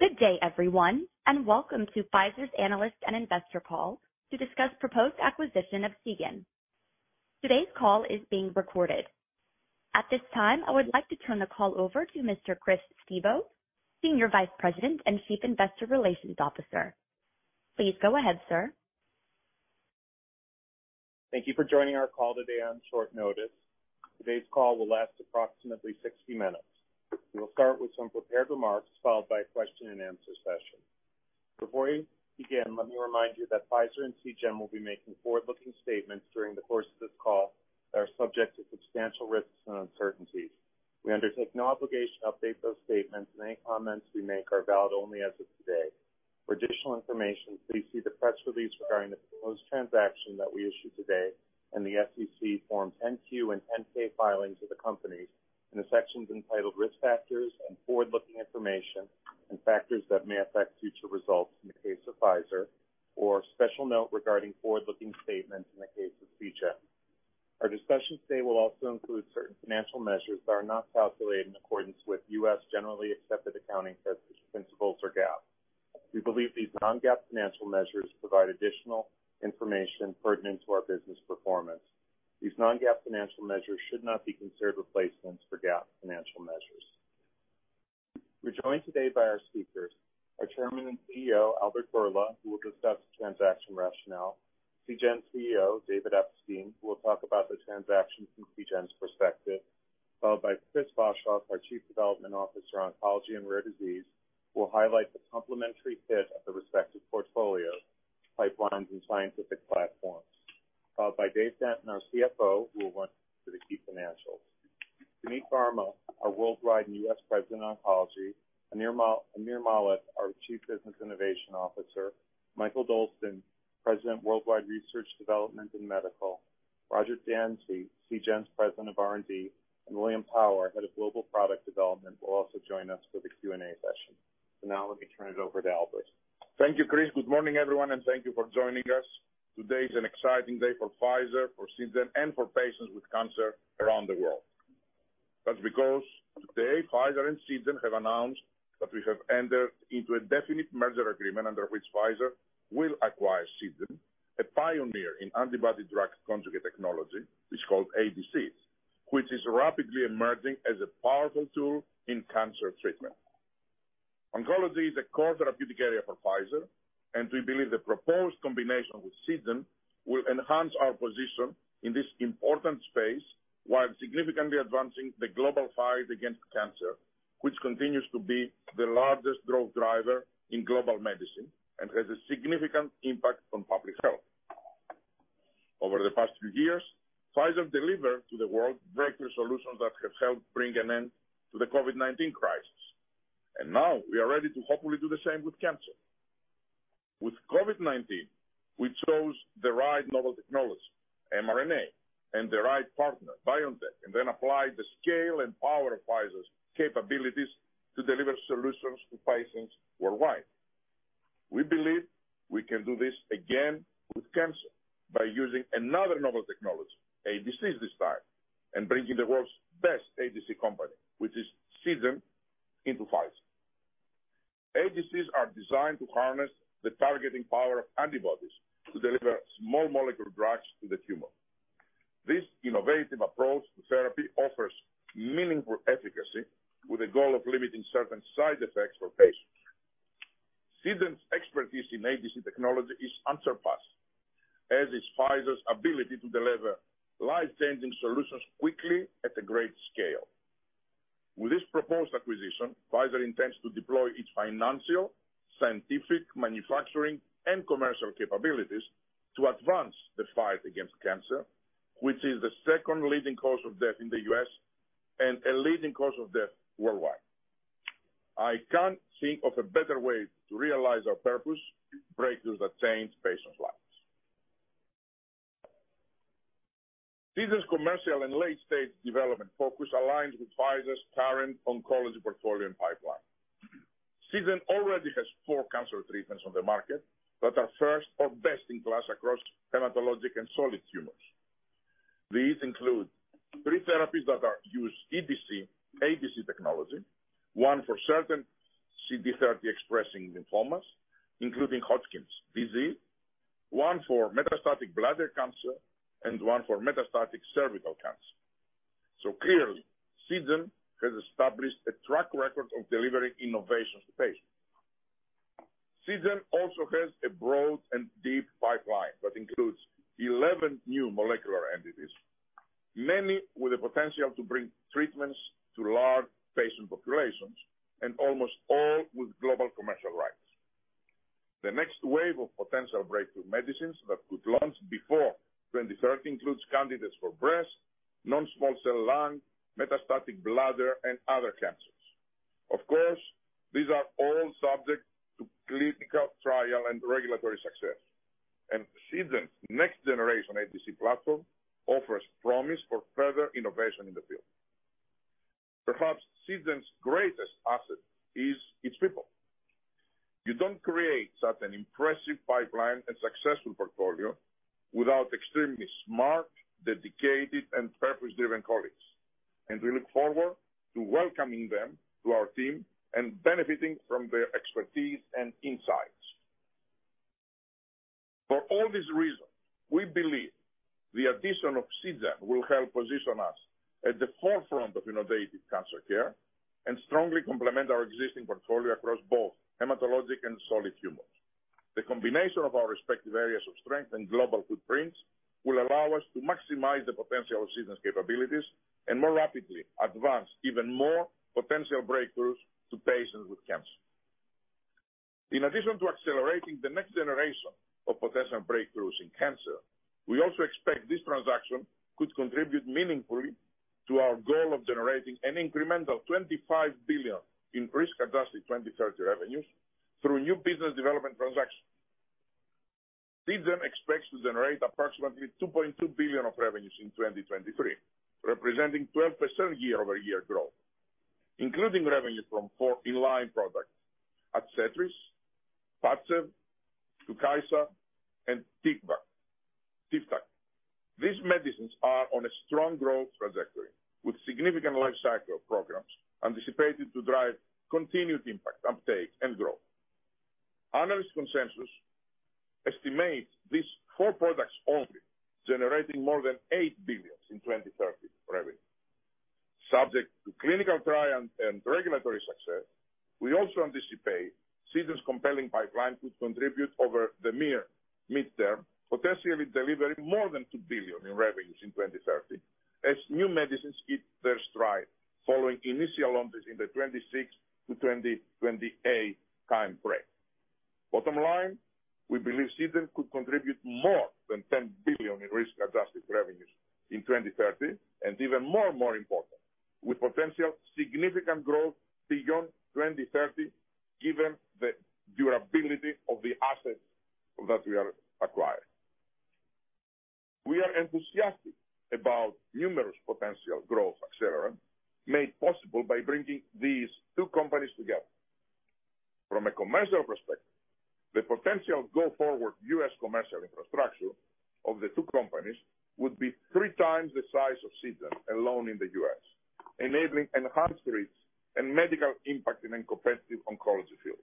Good day, everyone, and welcome to Pfizer's Analyst and Investor call to discuss proposed acquisition of Seagen. Today's call is being recorded. At this time, I would like to turn the call over to Mr. Chris Stevo, Senior Vice President and Chief Investor Relations Officer. Please go ahead, sir. Thank you for joining our call today on short notice. Today's call will last approximately 60 minutes. We will start with some prepared remarks, followed by a question-and-answer session. Before we begin, let me remind you that Pfizer and Seagen will be making forward-looking statements during the course of this call that are subject to substantial risks and uncertainties. We undertake no obligation to update those statements. Any comments we make are valid only as of today. For additional information, please see the press release regarding the proposed transaction that we issued today and the S.E.C. Forms 10-Q and 10-K filings of the companies in the sections entitled Risk Factors and Forward-Looking Information and Factors that May Affect Future Results in the case of Pfizer or Special Note Regarding Forward-Looking Statements in the case of Seagen. Our discussion today will also include certain financial measures that are not calculated in accordance with U.S. generally accepted accounting principles or GAAP. We believe these non-GAAP financial measures provide additional information pertinent to our business performance. These non-GAAP financial measures should not be considered replacements for GAAP financial measures. We're joined today by our speakers, our Chairman and CEO, Albert Bourla, who will discuss the transaction rationale. Seagen's CEO, David Epstein, who will talk about the transaction from Seagen's perspective, followed by Chris Boshoff, our Chief Development Officer, Oncology and Rare Disease, who will highlight the complementary fit of the respective portfolios, pipelines, and scientific platforms. Followed by Dave Denton, our CFO, who will run through the key financials. Suneet Varma, our Worldwide and US President, Oncology, Aamir Malik, our Chief Business Innovation Officer, Mikael Dolsten, President, Worldwide Research, Development, and Medical, Roger Dansey, Seagen's President of R&D, and William Pao, Head of Global Product Development, will also join us for the Q&A session. Now let me turn it over to Albert. Thank you, Chris. Good morning, everyone, thank you for joining us. Today is an exciting day for Pfizer, for Seagen, for patients with cancer around the world. That's because today, Pfizer and Seagen have announced that we have entered into a definite merger agreement under which Pfizer will acquire Seagen, a pioneer in antibody-drug conjugate technology, which is called ADCs, which is rapidly emerging as a powerful tool in cancer treatment. Oncology is a core therapeutic area for Pfizer, we believe the proposed combination with Seagen will enhance our position in this important space while significantly advancing the global fight against cancer, which continues to be the largest growth driver in global medicine and has a significant impact on public health. Over the past few years, Pfizer delivered to the world breakthrough solutions that have helped bring an end to the COVID-19 crisis, and now we are ready to hopefully do the same with cancer. With COVID-19, we chose the right novel technology, mRNA, and the right partner, BioNTech, and then applied the scale and power of Pfizer's capabilities to deliver solutions to patients worldwide. We believe we can do this again with cancer by using another novel technology, ADCs this time, and bringing the world's best ADC company, which is Seagen, into Pfizer. ADCs are designed to harness the targeting power of antibodies to deliver small molecule drugs to the tumor. This innovative approach to therapy offers meaningful efficacy with the goal of limiting certain side effects for patients. Seagen's expertise in ADC technology is unsurpassed, as is Pfizer's ability to deliver life-changing solutions quickly at a great scale. With this proposed acquisition, Pfizer intends to deploy its financial, scientific, manufacturing, and commercial capabilities to advance the fight against cancer, which is the second leading cause of death in the U.S. and a leading cause of death worldwide. I can't think of a better way to realize our purpose, breakthroughs that change patients' lives. Seagen's commercial and late-stage development focus aligns with Pfizer's current oncology portfolio and pipeline. Seagen already has four cancer treatments on the market that are first or best in class across hematologic and solid tumors. These include three therapies that are ADC technology, one for certain CD30 expressing lymphomas, including Hodgkin's disease, one for metastatic bladder cancer, and one for metastatic cervical cancer. Clearly, Seagen has established a track record of delivering innovations to patients. Seagen also has a broad and deep pipeline that includes 11 new molecular entities, many with the potential to bring treatments to large patient populations and almost all with global commercial rights. The next wave of potential breakthrough medicines that could launch before 2023 includes candidates for breast, non-small cell lung, metastatic bladder, and other cancers. Of course, these are all subject to clinical trial and regulatory success, and Seagen's next-generation ADC platform offers promise for further innovation in the field. Perhaps Seagen's greatest asset is its people. You don't create such an impressive pipeline and successful portfolio without extremely smart, dedicated, and purpose-driven colleagues. We look forward to welcoming them to our team and benefiting from their expertise and insights. For all these reasons, we believe the addition of Seagen will help position us at the forefront of innovative cancer care and strongly complement our existing portfolio across both hematologic and solid tumors. The combination of our respective areas of strength and global footprints will allow us to maximize the potential of Seagen's capabilities and more rapidly advance even more potential breakthroughs to patients with cancer. In addition to accelerating the next generation of potential breakthroughs in cancer, we also expect this transaction could contribute meaningfully to our goal of generating an incremental $25 billion in risk-adjusted 2030 revenues through new business development transactions. Seagen expects to generate approximately $2.2 billion of revenues in 2023, representing 12% year-over-year growth, including revenue from 4 in-line products, ADCETRIS, PADCEV, TUKYSA, and TIVDAK. These medicines are on a strong growth trajectory, with significant lifecycle programs anticipated to drive continued impact, uptake, and growth. Analyst consensus estimates these four products only generating more than $8 billion in 2030 revenue. Subject to clinical trial and regulatory success, we also anticipate Seagen's compelling pipeline to contribute over the near mid-term, potentially delivering more than $2 billion in revenues in 2030 as new medicines hit their stride following initial launches in the 2026 to 2028 time frame. Bottom line, we believe Seagen could contribute more than $10 billion in risk-adjusted revenues in 2030, and even more important, with potential significant growth beyond 2030 given the durability of the assets that we are acquiring. We are enthusiastic about numerous potential growth accelerant made possible by bringing these two companies together. From a commercial perspective, the potential go-forward U.S. commercial infrastructure of the two companies would be three times the size of Seagen alone in the U.S., enabling enhanced reach and medical impact in a competitive oncology field.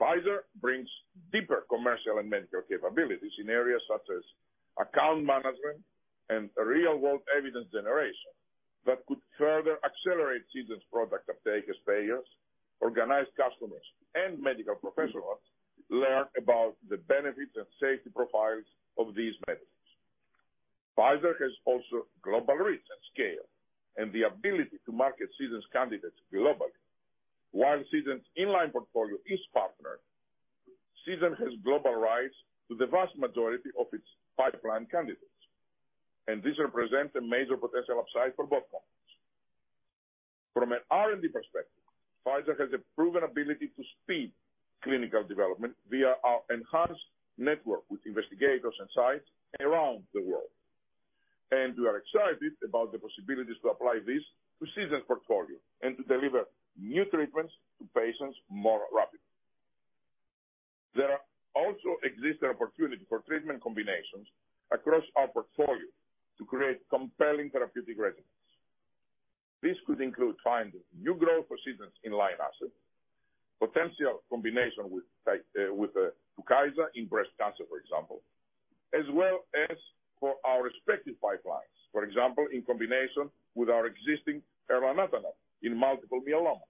Pfizer brings deeper commercial and medical capabilities in areas such as account management and real-world evidence generation that could further accelerate Seagen's product uptake as payers, organized customers, and medical professionals learn about the benefits and safety profiles of these medicines. Pfizer has also global reach and scale and the ability to market Seagen's candidates globally. While Seagen's in-line portfolio is partnered, Seagen has global rights to the vast majority of its pipeline candidates. This represents a major potential upside for both companies. From an R&D perspective, Pfizer has a proven ability to speed clinical development via our enhanced network with investigators and sites around the world. We are excited about the possibilities to apply this to Seagen's portfolio and to deliver new treatments to patients more rapidly. There are also existing opportunities for treatment combinations across our portfolio to create compelling therapeutic regimens. This could include finding new growth for Seagen's in-line assets, potential combination with Tukysa in breast cancer, for example, as well as for our respective pipelines. For example, in combination with our existing elotuzumab in multiple myeloma,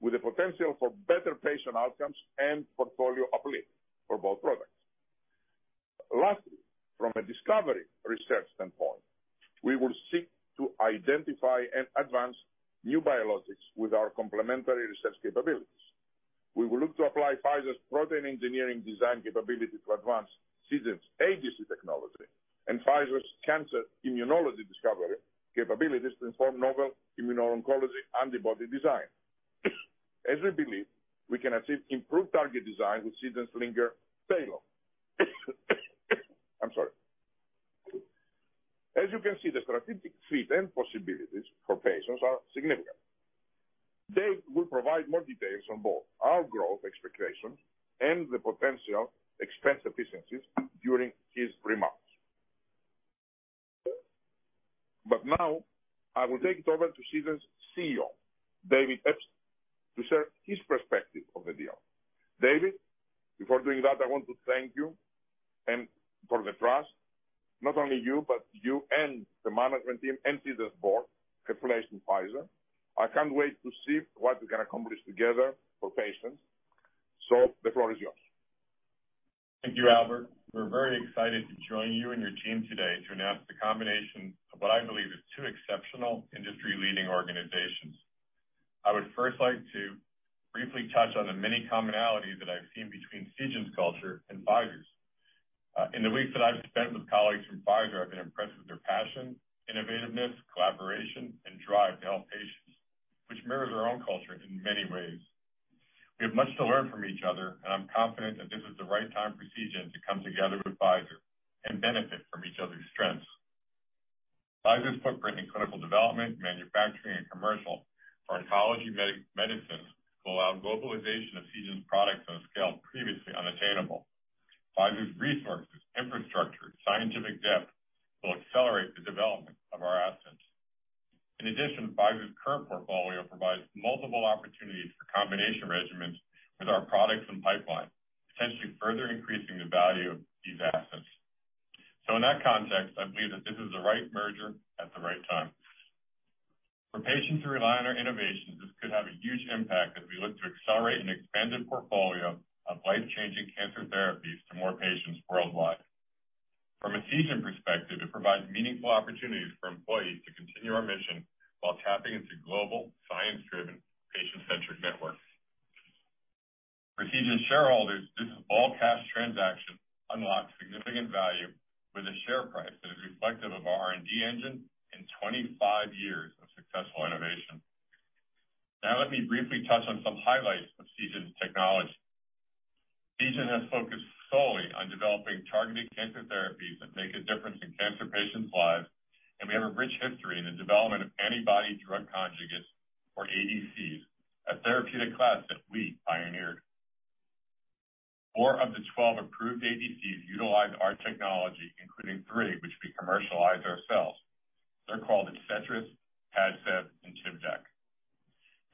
with the potential for better patient outcomes and portfolio uplift for both products. Lastly, from a discovery research standpoint, we will seek to identify and advance new biologics with our complementary research capabilities. We will look to apply Pfizer's protein engineering design capability to advance Seagen's ADC technology and Pfizer's cancer immunology discovery capabilities to inform novel immuno-oncology antibody design. As we believe we can achieve improved target design with Seagen's linker payload. I'm sorry. You can see, the strategic fit and possibilities for patients are significant. Dave will provide more details on both our growth expectations and the potential expense efficiencies during his remarks. Now I will take it over to Seagen's CEO, David Epstein, to share his perspective of the deal. David, before doing that, I want to thank you and for the trust, not only you, but you and the management team and Seagen's board for selecting Pfizer. I can't wait to see what we can accomplish together for patients. The floor is yours. Thank you, Albert. We're very excited to join you and your team today to announce the combination of what I believe is two exceptional industry-leading organizations. I would first like to briefly touch on the many commonalities that I've seen between Seagen's culture and Pfizer's. In the weeks that I've spent with colleagues from Pfizer, I've been impressed with their passion, innovativeness, collaboration, and drive to help patients, which mirrors our own culture in many ways. We have much to learn from each other, and I'm confident that this is the right time for Seagen to come together with Pfizer and benefit from each other's strengths. Pfizer's footprint in clinical development, manufacturing, and commercial oncology medicines will allow globalization of Seagen's products on a scale previously unattainable. Pfizer's resources, infrastructure, scientific depth will accelerate the development of our assets. In addition, Pfizer's current portfolio provides multiple opportunities for combination regimens with our products and pipeline, potentially further increasing the value of these assets. In that context, I believe that this is the right merger at the right time. For patients who rely on our innovations, this could have a huge impact as we look to accelerate an expanded portfolio of life-changing cancer therapies to more patients worldwide. From a Seagen perspective, it provides meaningful opportunities for employees to continue our mission while tapping into global science-driven, patient-centric networks. For Seagen shareholders, this is all-cash transaction unlocks significant value with a share price that is reflective of our R&D engine in 25 years of successful innovation. Let me briefly touch on some highlights of Seagen's technology. Seagen has focused solely on developing targeted cancer therapies that make a difference in cancer patients' lives. We have a rich history in the development of antibody-drug conjugates or ADCs, a therapeutic class that we pioneered. 4 of the 12 approved ADCs utilize our technology, including 3 which we commercialize ourselves. They're called ADCETRIS, PADCEV, and TIVDAK.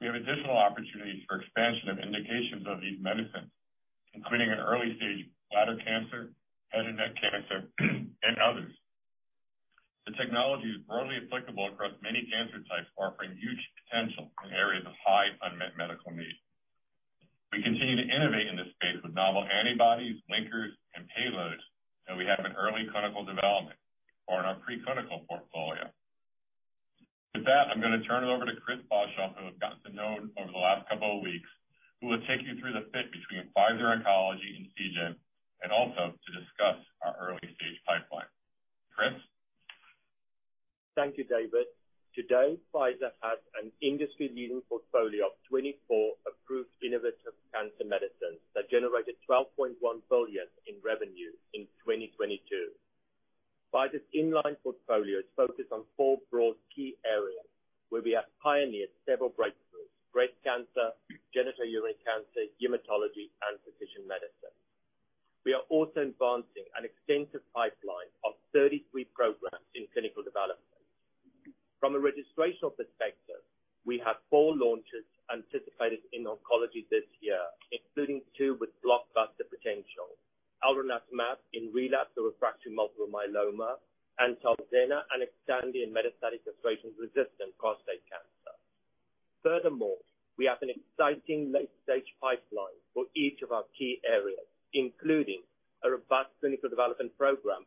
We have additional opportunities for expansion of indications of these medicines, including in early-stage bladder cancer, head and neck cancer, and others. The technology is broadly applicable across many cancer types, offering huge potential in areas of high unmet medical need. We continue to innovate in this space with novel antibodies, linkers, and payloads that we have in early clinical development or in our pre-clinical portfolio. With that, I'm gonna turn it over to Chris Boshoff, who I've gotten to know over the last couple of weeks, who will take you through the fit between Pfizer Oncology and Seagen, also to discuss our early-stage pipeline. Chris? Thank you, David. Today, Pfizer has an industry-leading portfolio of 24 approved innovative cancer medicines that generated $12.1 billion in revenue in 2022. Pfizer's in-line portfolio is focused on 4 broad key areas where we have pioneered several breakthroughs: breast cancer, genitourinary cancer, hematology, and precision medicine. We are also advancing an extensive pipeline of 33 programs in clinical development. From a registrational perspective, we have 4 launches anticipated in oncology this year, including 2 with blockbuster potential: elranatamab in relapse or refractory multiple myeloma, and TALZENNA and XTANDI in metastatic castration-resistant prostate cancer. Furthermore, we have an exciting late-stage pipeline for each of our key areas, including a robust clinical development program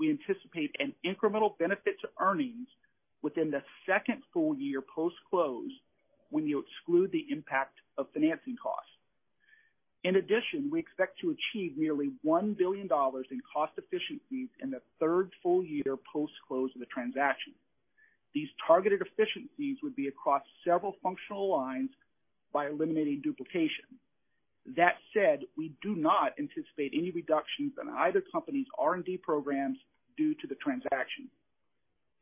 we anticipate an incremental benefit to earnings within the second full year post-close when you exclude the impact of financing costs. In addition, we expect to achieve nearly $1 billion in cost efficiencies in the third full year post-close of the transaction. These targeted efficiencies would be across several functional lines by eliminating duplication. That said, we do not anticipate any reductions in either company's R&D programs due to the transaction.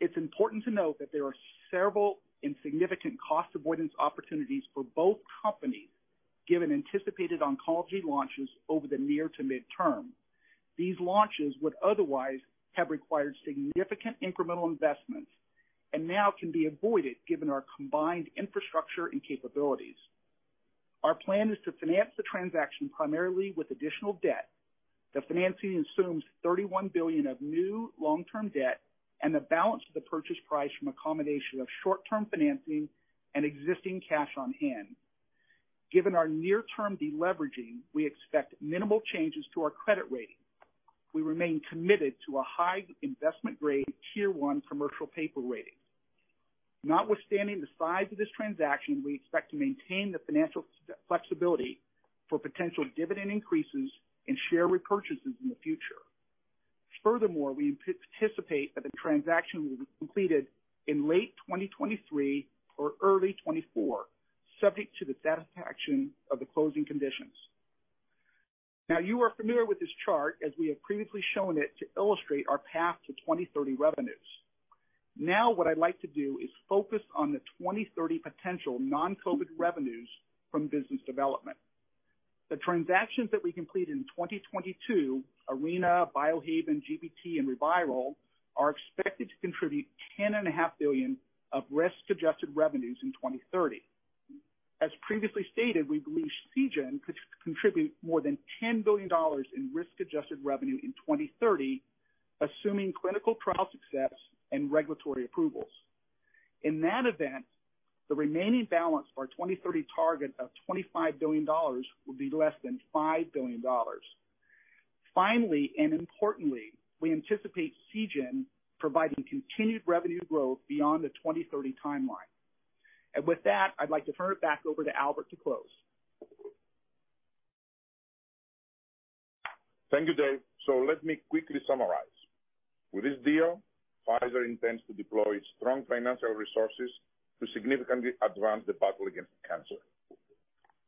It's important to note that there are several insignificant cost avoidance opportunities for both companies given anticipated oncology launches over the near to mid-term. These launches would otherwise have required significant incremental investments and now can be avoided given our combined infrastructure and capabilities. Our plan is to finance the transaction primarily with additional debt. The financing assumes $31 billion of new long-term debt and the balance of the purchase price from a combination of short-term financing and existing cash on hand. Given our near-term de-leveraging, we expect minimal changes to our credit rating. We remain committed to a high investment grade Tier 1 commercial paper rating. Notwithstanding the size of this transaction, we expect to maintain the financial flexibility for potential dividend increases and share repurchases in the future. Furthermore, we anticipate that the transaction will be completed in late 2023 or early 2024, subject to the satisfaction of the closing conditions. You are familiar with this chart as we have previously shown it to illustrate our path to 2030 revenues. What I'd like to do is focus on the 2030 potential non-COVID revenues from business development. The transactions that we completed in 2022, Arena, Biohaven, GBT, and ReViral, are expected to contribute $10.5 billion of risk-adjusted revenues in 2030. As previously stated, we believe Seagen could contribute more than $10 billion in risk-adjusted revenue in 2030, assuming clinical trial success and regulatory approvals. In that event, the remaining balance of our 2030 target of $25 billion will be less than $5 billion. Finally, and importantly, we anticipate Seagen providing continued revenue growth beyond the 2030 timeline. With that, I'd like to turn it back over to Albert to close. Thank you, Dave. Let me quickly summarize. With this deal, Pfizer intends to deploy strong financial resources to significantly advance the battle against cancer.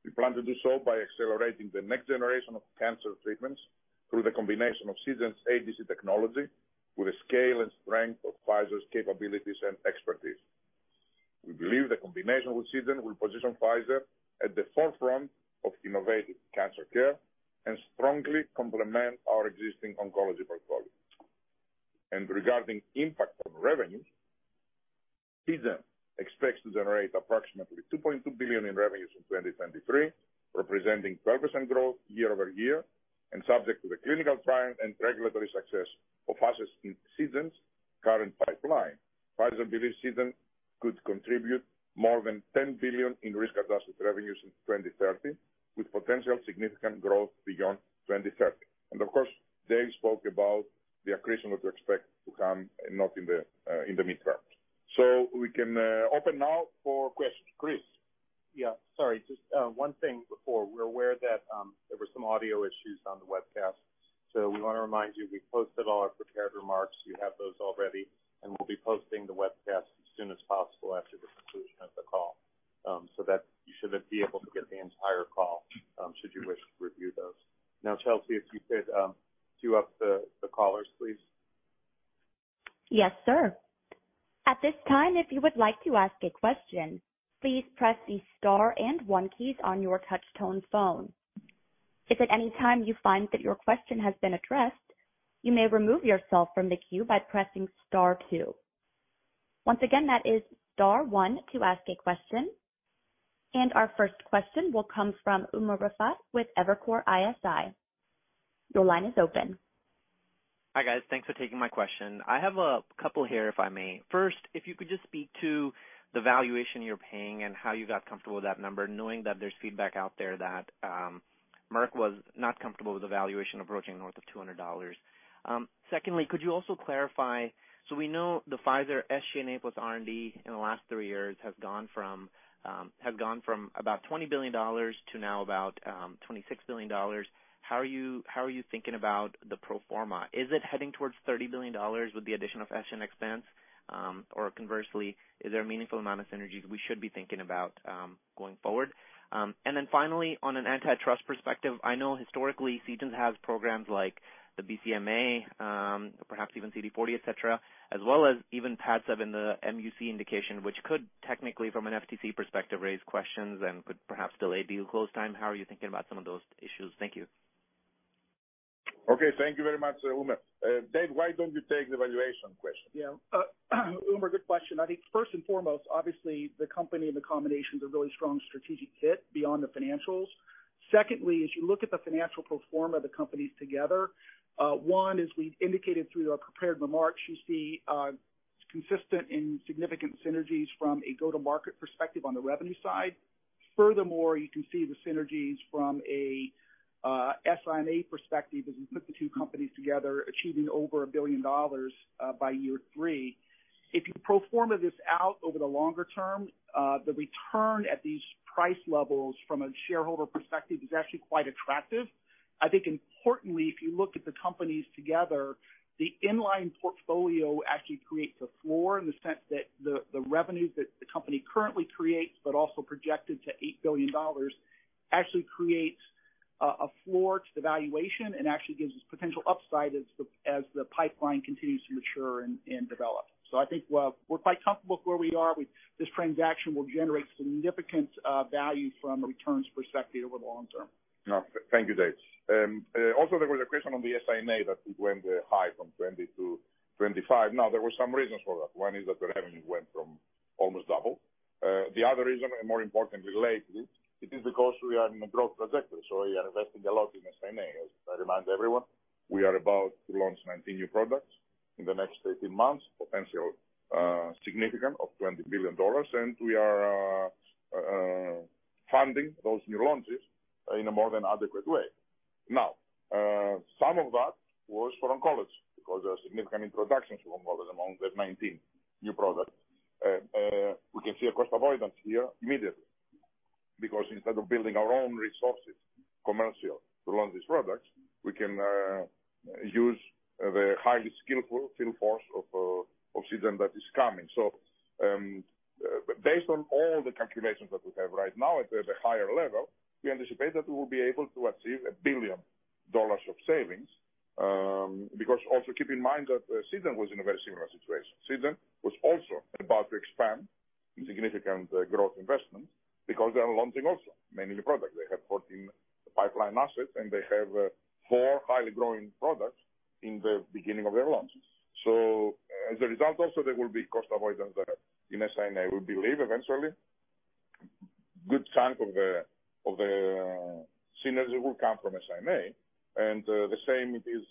We plan to do so by accelerating the next generation of cancer treatments through the combination of Seagen's ADC technology with the scale and strength of Pfizer's capabilities and expertise. We believe the combination with Seagen will position Pfizer at the forefront of innovative cancer care and strongly complement our existing oncology portfolio. Regarding impact on revenues, Seagen expects to generate approximately $2.2 billion in revenues in 2023, representing 12% growth year-over-year, and subject to the clinical trial and regulatory success of Pfizer's, Seagen's current pipeline. Pfizer believes Seagen could contribute more than $10 billion in risk-adjusted revenues in 2030, with potential significant growth beyond 2030. Of course, Dave Denton spoke about the accretion that we expect to come, not in the in the midterms. We can open now for questions. Chris? Yeah. Sorry, just one thing before. We're aware that there were some audio issues on the webcast. We wanna remind you, we posted all our prepared remarks, you have those already, and we'll be posting the webcast as soon as possible after the conclusion of the call. That you should be able to get the entire call, should you wish to review those. Chelsea, if you could, queue up the callers, please. Yes, sir. At this time, if you would like to ask a question, please press the star and one keys on your touch tone phone. If at any time you find that your question has been addressed, you may remove yourself from the queue by pressing star two. Once again, that is star one to ask a question. Our first question will come from Umer Raffat with Evercore ISI. Your line is open. Hi, guys. Thanks for taking my question. I have a couple here, if I may. First, if you could just speak to the valuation you're paying and how you got comfortable with that number, knowing that there's feedback out there that Merck was not comfortable with the valuation approaching north of $200. Secondly, could you also clarify. We know the Pfizer SG&A plus R&D in the last three years has gone from about $20 billion to now about $26 billion. How are you thinking about the pro forma? Is it heading towards $30 billion with the additional SG&A expense? Or conversely, is there a meaningful amount of synergies we should be thinking about going forward? Finally, on an antitrust perspective, I know historically, Seagen has programs like the BCMA, perhaps even CD40, et cetera, as well as even PADCEV in the MUC indication, which could technically, from an FTC perspective, raise questions and could perhaps delay deal close time. How are you thinking about some of those issues? Thank you. Okay, thank you very much, Umer. Dave, why don't you take the valuation question? Yeah. Umer, good question. I think first and foremost, obviously the company and the combination is a really strong strategic fit beyond the financials. As you look at the financial pro forma of the companies together, one, as we indicated through our prepared remarks, you see consistent and significant synergies from a go-to-market perspective on the revenue side. You can see the synergies from an S&A perspective as you put the two companies together, achieving over $1 billion by year 3. If you pro forma this out over the longer term, the return at these price levels from a shareholder perspective is actually quite attractive. I think importantly, if you look at the companies together, the inline portfolio actually creates a floor in the sense that the revenue that the company currently creates, but also projected to $8 billion, actually creates a floor to the valuation and actually gives us potential upside as the, as the pipeline continues to mature and develop. I think, well, we're quite comfortable with where we are. This transaction will generate significant value from a returns perspective over the long term. Thank you, Dave. Also there was a question on the SMA that it went high from 20-25. There were some reasons for that. One is that the revenue went from almost double. The other reason, and more importantly lately, it is because we are in a growth trajectory, so we are investing a lot in SMA. As I remind everyone, we are about to launch 19 new products in the next 18 months, potential, significant of $20 billion, and we are funding those new launches in a more than adequate way. Some of that was for oncology because there are significant introductions to oncology among the 19 new products. we can see a cost avoidance here immediately because instead of building our own resources, commercial to launch these products, we can use the highly skillful field force of Seagen that is coming. Based on all the calculations that we have right now at the higher level, we anticipate that we will be able to achieve $1 billion of savings. also keep in mind that Seagen was in a very similar situation. Seagen was also about to expand in significant growth investments because they are launching also many new products. They have 14 pipeline assets, and they have 4 highly growing products in the beginning of their launches. As a result also, there will be cost avoidance there. In SMA, we believe eventually good chunk of the synergy will come from SMA, and the same is,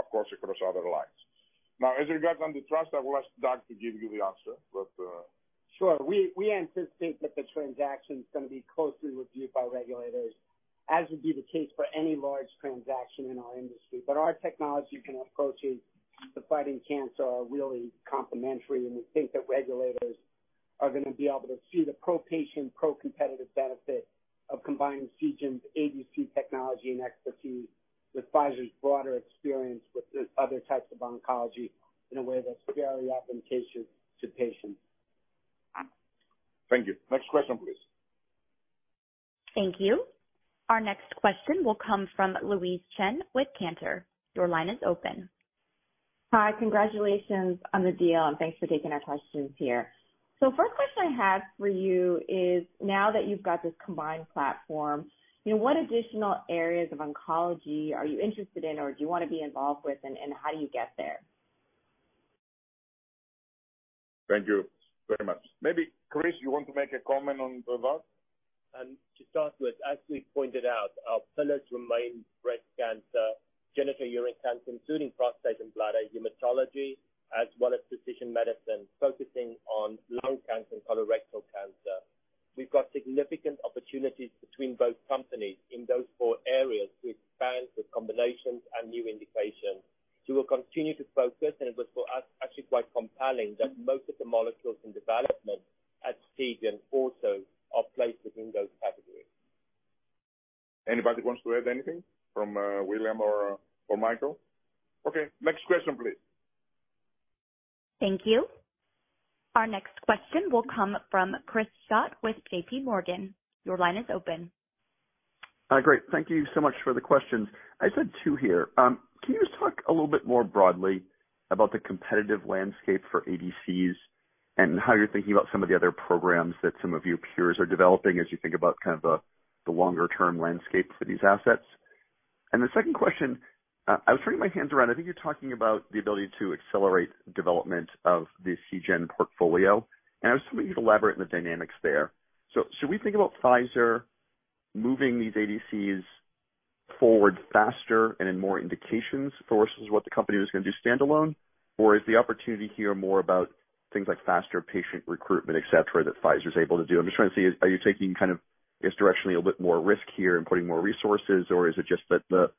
of course, across other lines. As regards on the trust, I will ask Doug to give you the answer, but. Sure. We anticipate that the transaction is gonna be closely reviewed by regulators, as would be the case for any large transaction in our industry. Our technology and approaches to fighting cancer are really complementary, we think that regulators are gonna be able to see the pro-patient, pro-competitive benefit of combining Seagen's ADC technology and expertise with Pfizer's broader experience with the other types of oncology in a way that's very advantageous to patients. Thank you. Next question, please. Thank you. Our next question will come from Louise Chen with Cantor. Your line is open. Hi. Congratulations on the deal, thanks for taking our questions here. First question I have for you is, now that you've got this combined platform, you know, what additional areas of oncology are you interested in or do you wanna be involved with and how do you get there? Thank you very much. Maybe, Chris, you want to make a comment on that? To start with, as we pointed out, our pillars remain breast cancer, genitourinary cancer, including prostate and bladder, hematology, as well as precision medicine, focusing on lung cancer and colorectal cancer. We've got significant opportunities between both companies in those four areas to expand with combinations and new indications. We'll continue to focus, and it was for us actually quite compelling that most of the molecules in development at Seagen also are placed within those categories. Anybody wants to add anything from, William or Mikael? Next question, please. Thank you. Our next question will come from Chris Schott with JP Morgan. Your line is open. Great. Thank you so much for the questions. I just have two here. Can you just talk a little bit more broadly about the competitive landscape for ADCs and how you're thinking about some of the other programs that some of your peers are developing as you think about kind of the longer term landscape for these assets? The second question, I was turning my hands around. I think you're talking about the ability to accelerate development of the Seagen portfolio, and I was wondering if you could elaborate on the dynamics there. Should we think about Pfizer moving these ADCs forward faster and in more indications versus what the company was gonna do standalone? Is the opportunity here more about things like faster patient recruitment, et cetera, that Pfizer's able to do? I'm just trying to see, are you taking kind of just directionally a bit more risk here and putting more resources or is it just that the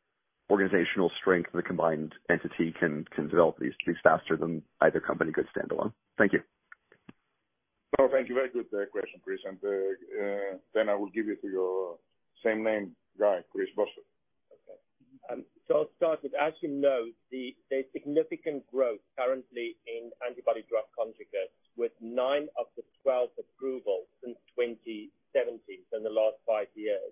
organizational strength of the combined entity can develop these things faster than either company could standalone? Thank you. Oh, thank you. Very good, question, Chris. Then I will give it to your same name guy, Chris Boshoff. Okay. I'll start with, as you know, the significant growth currently in antibody-drug conjugates, with 9 of the 12 approvals since 2017, so in the last 5 years.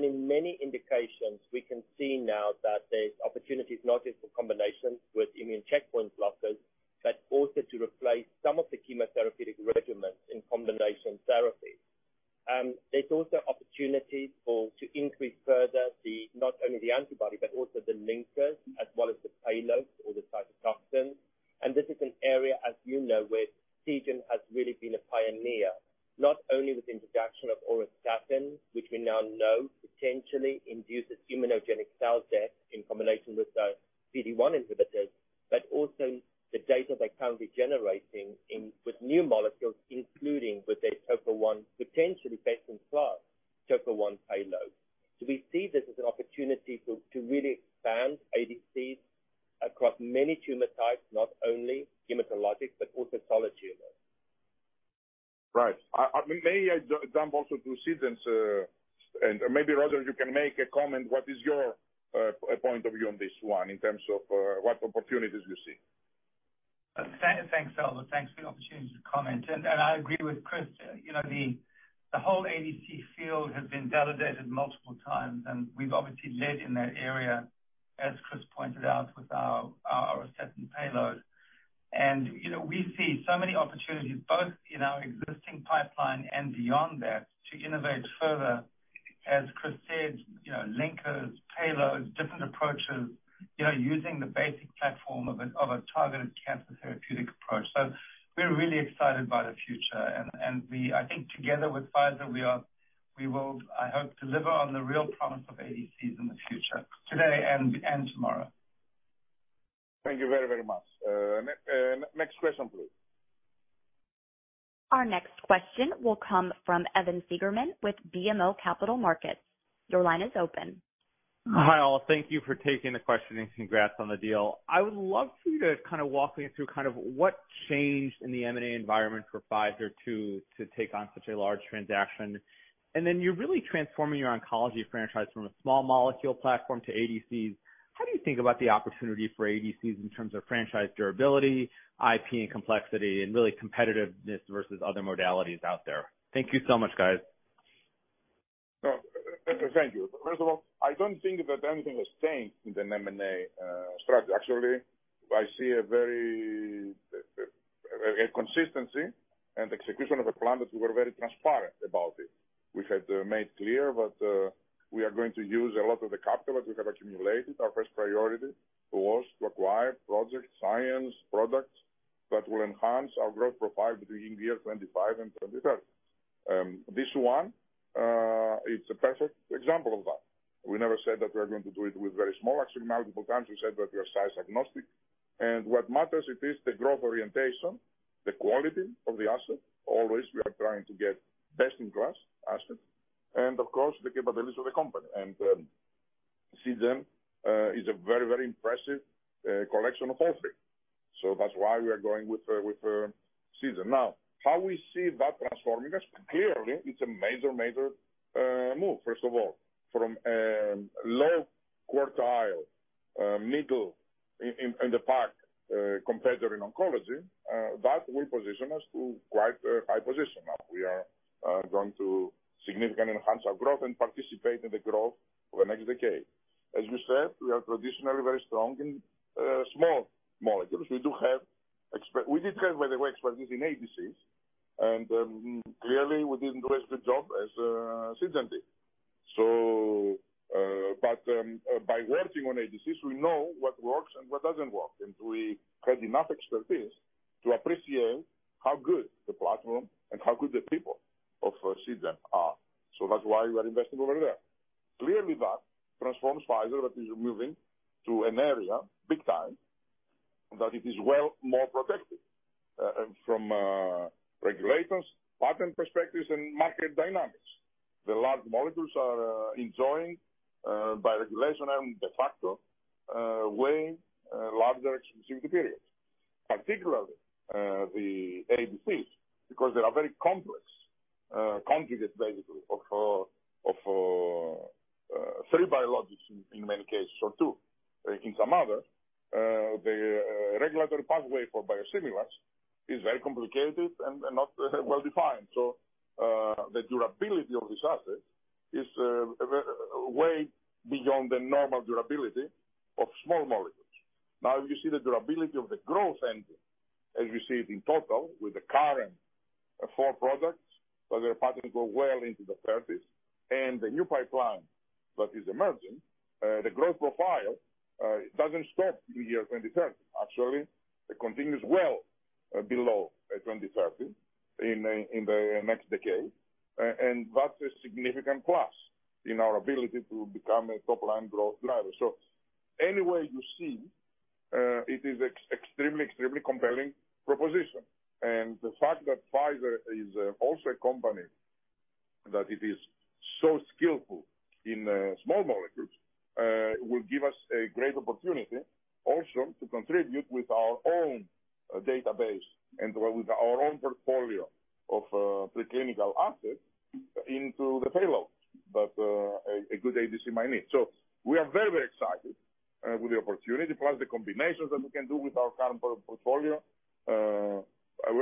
In many indications we can see now that there's opportunities not just for combinations with immune checkpoint blockers, but also to replace some of the chemotherapeutic regimens in combination therapy. There's also opportunities for to increase further the, not only the antibody, but also the linkers as well as the payloads or the cytotoxins. This is an area, as you know, where Seagen has really been a pioneer, not only with introduction of auristatin, which we now know potentially induces immunogenic cell death in combination with PD-1 inhibitors, but also the data they're currently generating in, with new molecules, including with their Topo-1 potentially best-in-class Topo-1 payload. We see this as an opportunity to really expand ADCs across many tumor types, not only hematologic, but also solid tumors. May I jump also to Seagen's and maybe, Roger, you can make a comment, what is your point of view on this one in terms of what opportunities you see? Thanks, Albert. Thanks for the opportunity to comment. I agree with Chris. You know, the whole ADC field has been validated multiple times, and we've obviously led in that area, as Chris pointed out, with our auristatin payload. You know, we see so many opportunities, both in our existing pipeline and beyond that, to innovate further, as Chris said, you know, linkers, payloads, different approaches, you know, using the basic platform of a targeted cancer therapeutic approach. We're really excited about the future and we I think together with Pfizer we are, we will, I hope, deliver on the real promise of ADCs in the future, today and tomorrow. Thank you very much. Next question, please. Our next question will come from Evan Seigerman with BMO Capital Markets. Your line is open. Hi, all. Thank you for taking the question, congrats on the deal. I would love for you to kind of walk me through kind of what changed in the M&A environment for Pfizer to take on such a large transaction. You're really transforming your oncology franchise from a small molecule platform to ADCs. How do you think about the opportunity for ADCs in terms of franchise durability, IP and complexity, and really competitiveness versus other modalities out there? Thank you so much, guys. Thank you. First of all, I don't think that anything has changed in the M&A strategy. Actually, I see a very consistency and execution of a plan, as we were very transparent about it. We had made clear that we are going to use a lot of the capital that we have accumulated. Our first priority was to acquire projects, science, products that will enhance our growth profile between the year 25 and 35. This one is a perfect example of that. We never said that we are going to do it with very small. Actually, multiple times we said that we are size agnostic. What matters it is the growth orientation, the quality of the asset. Always we are trying to get best-in-class assets and of course the capabilities of the company. Seagen is a very, very impressive collection of all three. That's why we are going with Seagen. How we see that transforming us, clearly it's a major move, first of all. From low quartile, middle in the pack competitor in oncology, that will position us to quite a high position. We are going to significantly enhance our growth and participate in the growth for the next decade. As we said, we are traditionally very strong in small molecules. We do have we did have, by the way, expertise in ADCs, and clearly we didn't do as good job as Seagen did. By working on ADCs, we know what works and what doesn't work, and we have enough expertise to appreciate how good the platform and how good the people of Seagen are. That's why we are investing over there. Clearly, that transforms Pfizer, that is moving to an area big time, that it is well more protected from regulators, patent perspectives, and market dynamics. The large molecules are enjoying by regulation and de facto way larger exclusivity periods. Particularly, the ADCs, because they are very complex, congregate basically of three biologics in many cases, or two. In some other, the regulatory pathway for biosimilars is very complicated and not well-defined. The durability of these assets is a way beyond the normal durability of small molecules. Now you see the durability of the growth engine as you see it in total, with the current four products that are partnered go well into the 30s, and the new pipeline that is emerging, the growth profile doesn't stop in year 2030. Actually, it continues well below 2030 in the next decade. And that's a significant plus in our ability to become a top-line growth driver. Any way you see it is extremely compelling proposition. The fact that Pfizer is also a company that it is so skillful in small molecules will give us a great opportunity also to contribute with our own database and with our own portfolio of pre-clinical assets into the payload that a good ADC might need. We are very, very excited with the opportunity, plus the combinations that we can do with our current portfolio. We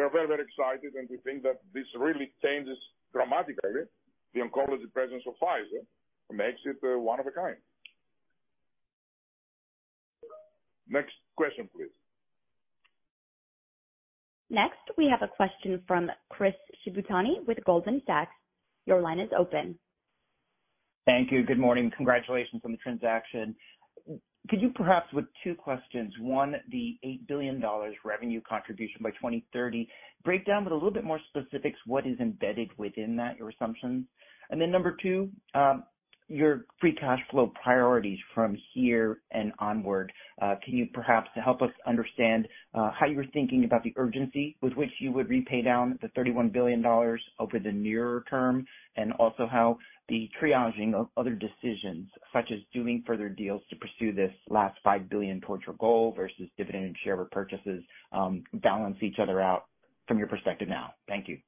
are very, very excited. We think that this really changes dramatically the oncology presence of Pfizer. Makes it one of a kind. Next question, please. Next, we have a question from Chris Shibutani with Goldman Sachs. Your line is open. Thank you. Good morning. Congratulations on the transaction. Could you perhaps with two questions, one, the $8 billion revenue contribution by 2030, break down with a little bit more specifics what is embedded within that, your assumptions? Number two, your free cash flow priorities from here and onward, can you perhaps help us understand how you were thinking about the urgency with which you would repay down the $31 billion over the nearer term, and also how the triaging of other decisions, such as doing further deals to pursue this last $5 billion towards your goal versus dividend and share repurchases, balance each other out from your perspective now? Thank you.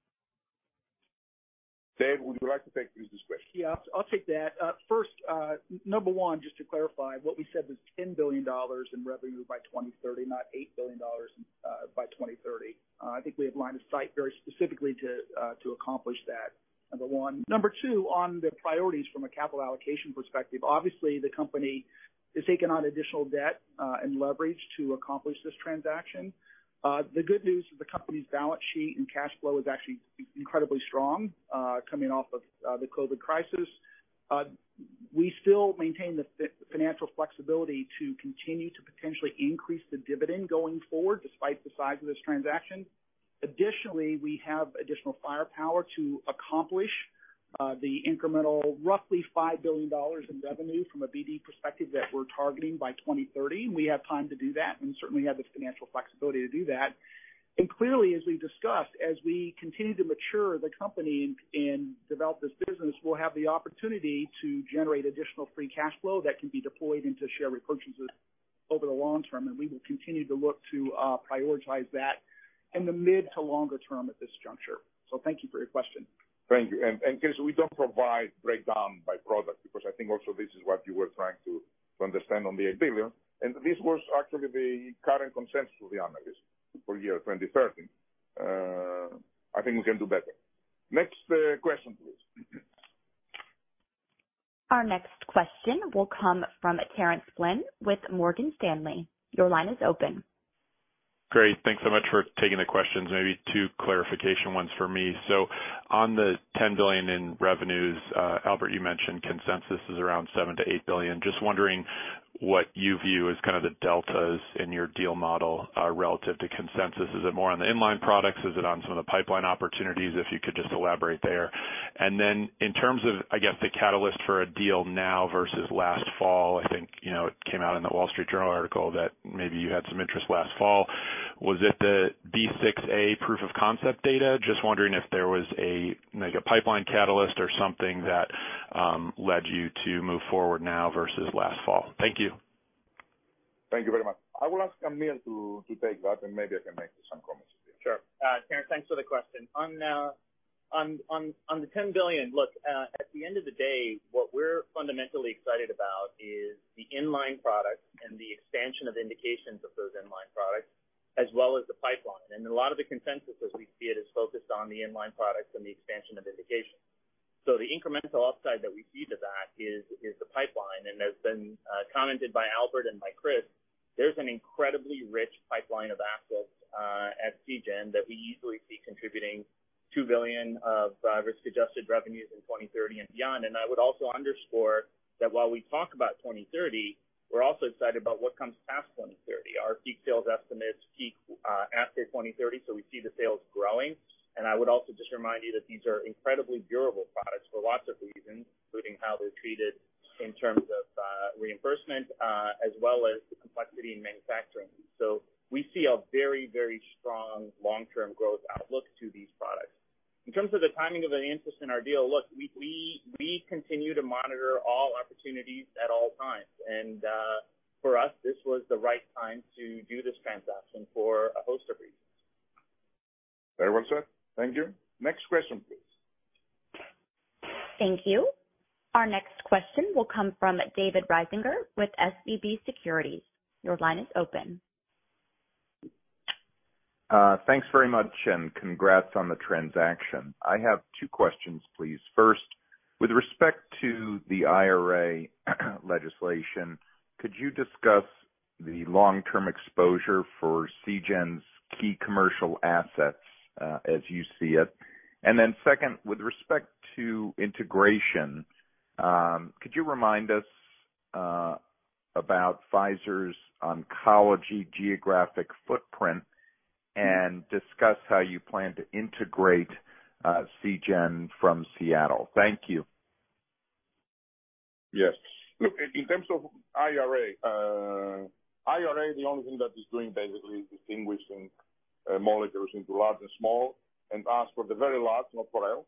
Dave, would you like to take Chris' question? Yeah, I'll take that. First, number one, just to clarify, what we said was $10 billion in revenue by 2030, not $8 billion, by 2030. I think we have line of sight very specifically to accomplish that. Number one. Number two, on the priorities from a capital allocation perspective, obviously the company is taking on additional debt and leverage to accomplish this transaction. The good news is the company's balance sheet and cash flow is actually incredibly strong, coming off of the COVID crisis. We still maintain the financial flexibility to continue to potentially increase the dividend going forward, despite the size of this transaction. Additionally, we have additional firepower to accomplish the incremental roughly $5 billion in revenue from a BD perspective that we're targeting by 2030. We have time to do that and certainly have the financial flexibility to do that. Clearly, as we've discussed, as we continue to mature the company and develop this business, we'll have the opportunity to generate additional free cash flow that can be deployed into share repurchases over the long term, and we will continue to look to prioritize that in the mid to longer term at this juncture. Thank you for your question. Thank you. Chris, we don't provide breakdown by product because I think also this is what you were trying to understand on the $8 billion, and this was actually the current consensus, to be honest, for year 2030. I think we can do better. Next question, please. Our next question will come from Terence Flynn with Morgan Stanley. Your line is open. Great. Thanks so much for taking the questions. Maybe two clarification ones for me. On the $10 billion in revenues, Albert, you mentioned consensus is around $7 billion-$8 billion. Just wondering what you view as kind of the deltas in your deal model relative to consensus. Is it more on the inline products? Is it on some of the pipeline opportunities? If you could just elaborate there. In terms of, I guess, the catalyst for a deal now versus last fall, I think, you know, it came out in the Wall Street Journal article that maybe you had some interest last fall. Was it the B6A proof of concept data? Just wondering if there was a, like, a pipeline catalyst or something that led you to move forward now versus last fall. Thank you. Thank you very much. I will ask Aamir to take that and maybe I can make some comments at the end. Sure. Terence, thanks for the question. On the $10 billion, look, at the end of the day, what we're fundamentally excited about is the inline products and the expansion of indications of those inline products, as well as the pipeline. A lot of the consensus as we see it is focused on the inline products and the expansion of indications. The incremental upside that we see to that is the pipeline. As been commented by Albert and by Chris, there's an incredibly rich pipeline of assets at Seagen that we easily see contributing $2 billion of risk-adjusted revenues in 2030 and beyond. I would also underscore that while we talk about 2030, we're also excited about what comes past 2030. Our peak sales estimates peak after 2030, so we see the sales growing. I would also just remind you that these are incredibly durable products for lots of reasons, including how they're treated in terms of reimbursement, as well as the complexity in manufacturing. We see a very, very strong long-term growth outlook to these products. In terms of the timing of the interest in our deal, look, we continue to monitor all opportunities at all times. For us, this was the right time to do this transaction for a host of reasons. Very well, sir. Thank you. Next question, please. Thank you. Our next question will come from David Risinger with SVB Securities. Your line is open. Thanks very much. Congrats on the transaction. I have two questions, please. First with respect to the IRA legislation, could you discuss the long-term exposure for Seagen's key commercial assets as you see it? Second, with respect to integration, could you remind us about Pfizer's oncology geographic footprint and discuss how you plan to integrate Seagen from Seattle? Thank you. Yes. Look, in terms of IRA. IRA, the only thing that is doing basically distinguishing molecules into large and small, and ask for the very large, not for all,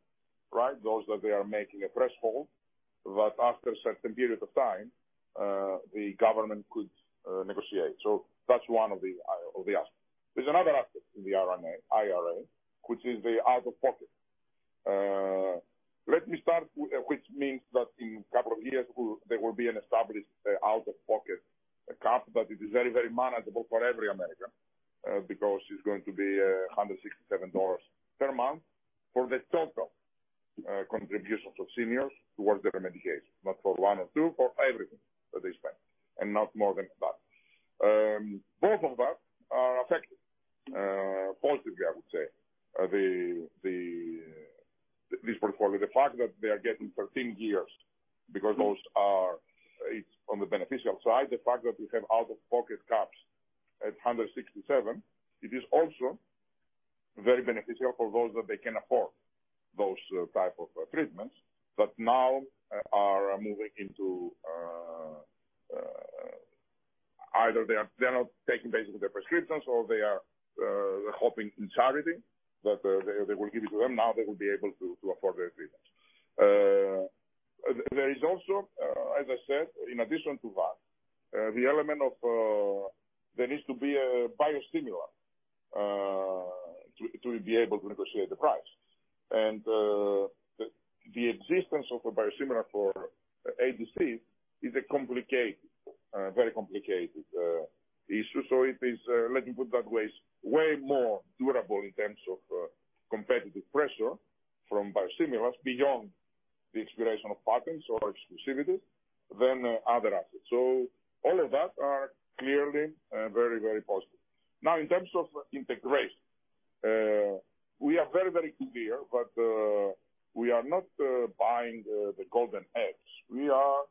right? Those that they are making a threshold. After a certain period of time, the government could negotiate. That's one of the aspects. There's another aspect in the IRA, which is the out-of-pocket. Let me start, which means that in a couple of years there will be an established out-of-pocket cap, but it is very, very manageable for every American, because it's going to be $167 per month for the total contributions of seniors towards their Medicare. Not for one or two, for everything that they spend, and not more than that. Both of that are affected positively, I would say. This portfolio, the fact that they are getting 13 years because it's on the beneficial side. The fact that we have out-of-pocket caps at 167, it is also very beneficial for those that they can afford those type of treatments, but now are moving into, either they're not taking basically their prescriptions or they are, hoping in charity that, they will give it to them. Now they will be able to afford their treatments. There is also, as I said, in addition to that, the element of, there needs to be a biosimilar, to be able to negotiate the price. The existence of a biosimilar for ADC is a complicated, very complicated, issue. It is, let me put that way, is way more durable in terms of competitive pressure from biosimilars beyond the expiration of patents or exclusivities than other assets. All of that are clearly very, very positive. Now, in terms of integration, we are very, very clear that we are not buying the golden eggs. We are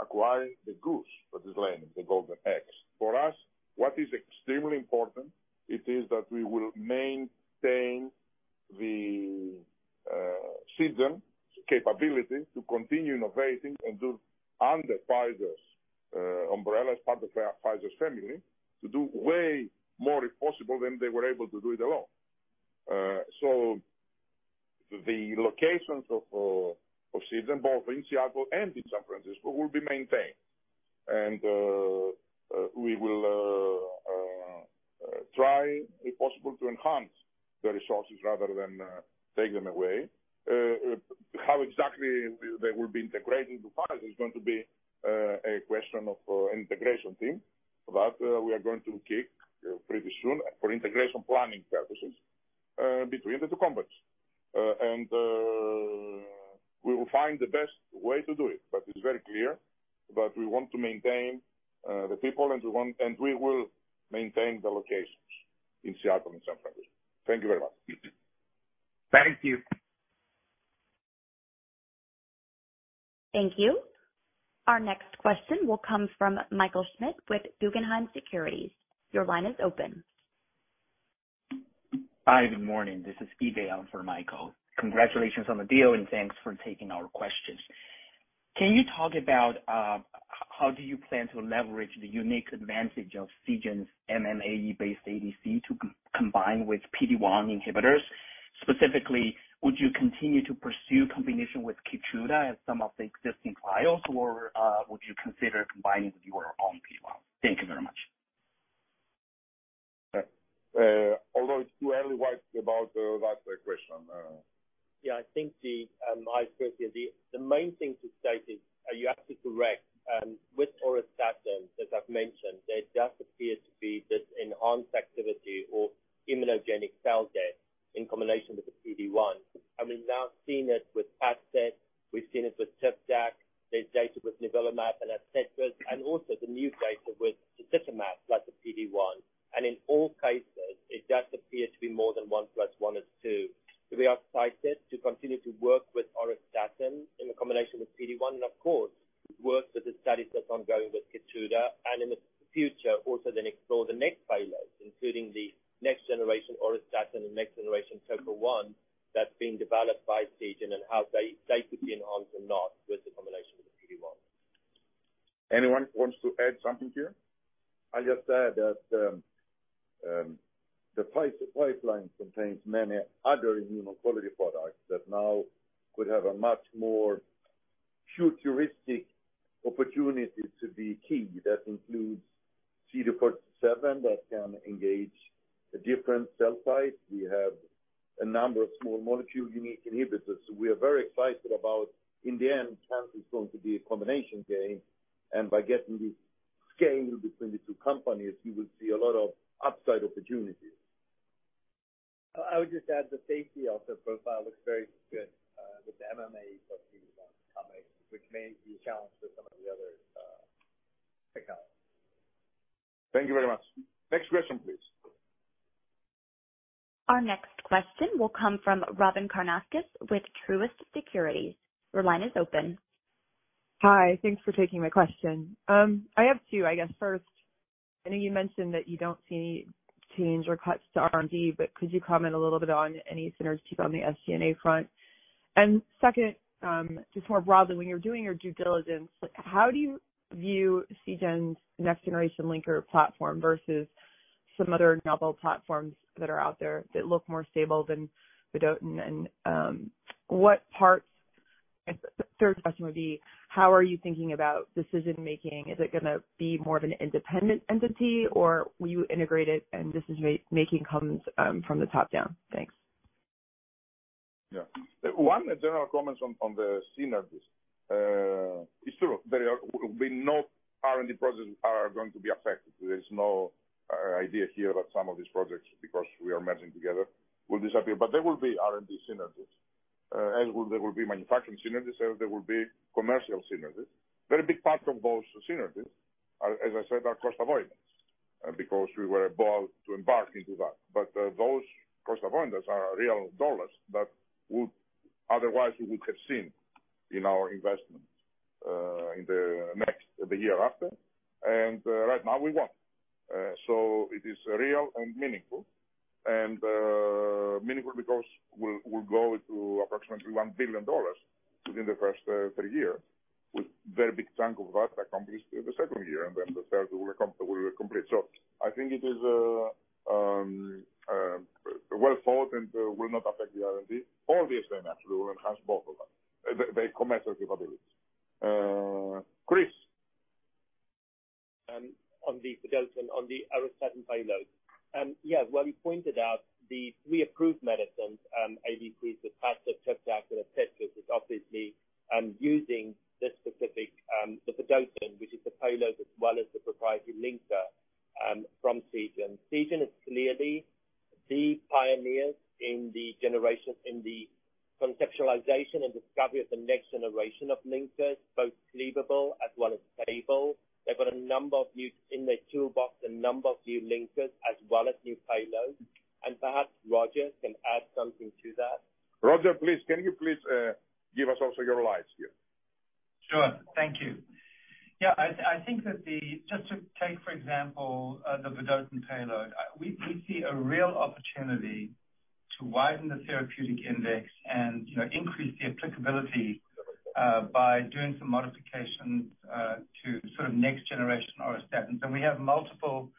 acquiring the goose that is laying the golden eggs. For us, what is extremely important it is that we will maintain the Seagen capability to continue innovating and do under Pfizer's umbrella as part of our Pfizer's family, to do way more if possible, than they were able to do it alone. The locations of Seagen, both in Seattle and in San Francisco, will be maintained. We will try, if possible, to enhance the resources rather than take them away. How exactly they will be integrated into Pfizer is going to be a question of integration team that we are going to kick pretty soon for integration planning purposes between the two companies. We will find the best way to do it. It's very clear that we want to maintain the people and we will maintain the locations in Seattle and San Francisco. Thank you very much. Thank you. Thank you. Our next question will come from Michael Schmidt with Guggenheim Securities. Your line is open. Hi, good morning. This is Yibel for Michael. Congratulations on the deal. Thanks for taking our questions. Can you talk about how do you plan to leverage the unique advantage of Seagen's MMAE-based ADC to combine with PD-1 inhibitors? Specifically, would you continue to pursue combination with KEYTRUDA and some of the existing trials, or would you consider combining with your own PD-1? Thank you very much. Although it's too early, what about that question? Yeah, I think the, I agree with you. The main thing to state is you have to direct with auristatin, as I've mentioned, there does appear to be this enhanced activity or immunogenic cell death in combination with the PD-1. We've now seen it with PADCEV, we've seen it with TIVDAK, there's data with nivolumab and OPDIVO, and also the new data with Ticagrelor plus the PD-1. In all cases it does appear to be more than one plus one is two. We are excited to continue to work with auristatin in combination with PD-1 and of course, work with the studies that's ongoing with KEYTRUDA and in the future also then explore the next payload, including the next generation auristatin and next generation Topo-1 that's being developed by Seagen, and how they could be enhanced or not with the combination with PD-1. Anyone wants to add something here? I'll just add that, the pipeline contains many other immuno-oncology products that now could have a much more futuristic opportunity to be key. That includes CD47 that can engage a different cell site. We have a number of small molecule unique inhibitors. We are very excited about, in the end, chance is going to be a combination game, and by getting the scale between the two companies, you will see a lot of upside opportunities. I would just add the safety of the profile looks very good, with the MMAE coming, which may be a challenge for some of the other pick-ups. Thank you very much. Next question, please. Our next question will come from Robyn Karnauskas with Truist Securities. Your line is open. Hi. Thanks for taking my question. I have two, I guess. First, I know you mentioned that you don't see any change or cuts to R&D, could you comment a little bit on any synergies on the SG&A front? Second, just more broadly, when you're doing your due diligence, how do you view Seagen's next generation linker platform versus some other novel platforms that are out there that look more stable than the vedotin? Third question would be, how are you thinking about decision-making? Is it going to be more of an independent entity, or will you integrate it and decision-making comes from the top down? Thanks. Yeah. One general comments on the synergies. It's true. There will be no R&D projects are going to be affected. There is no idea here that some of these projects because we are merging together, will disappear. There will be R&D synergies, as well there will be manufacturing synergies, as there will be commercial synergies. Very big part of those synergies are, as I said, are cost avoidance, because we were about to embark into that. Those cost avoidances are real dollars that would otherwise we would have seen in our investments, in the next, the year after. Right now we won. It is real and meaningful. meaningful because we'll go to approximately $1 billion within the first 3 years, with very big chunk of that accomplished in the second year, and then the third will complete. I think it is well thought and will not affect the R&D. Obviously, naturally, it will enhance both of them. The commercial capabilities. Chris. on the vedotin, on the auristatin payload. Yeah, where we pointed out the three approved medicines, ADCs, the pasudoximab, cetuximab is obviously using this specific the vedotin, which is the payload as well as the proprietary linker from Seagen. Seagen is clearly the pioneers in the generation, in the conceptualization and discovery of the next generation of linkers, both cleavable as well as stable. They've got a number of new in their toolbox, a number of new linkers as well as new payloads. Perhaps Roger can add something to that. Roger, please, can you please, give us also your lights here? Sure. Thank you. Yeah, I think that the... Just to take, for example, the vedotin payload. We see a real opportunity to widen the therapeutic index and, you know, increase the applicability by doing some modifications to sort of next generation auristatins. We have multiple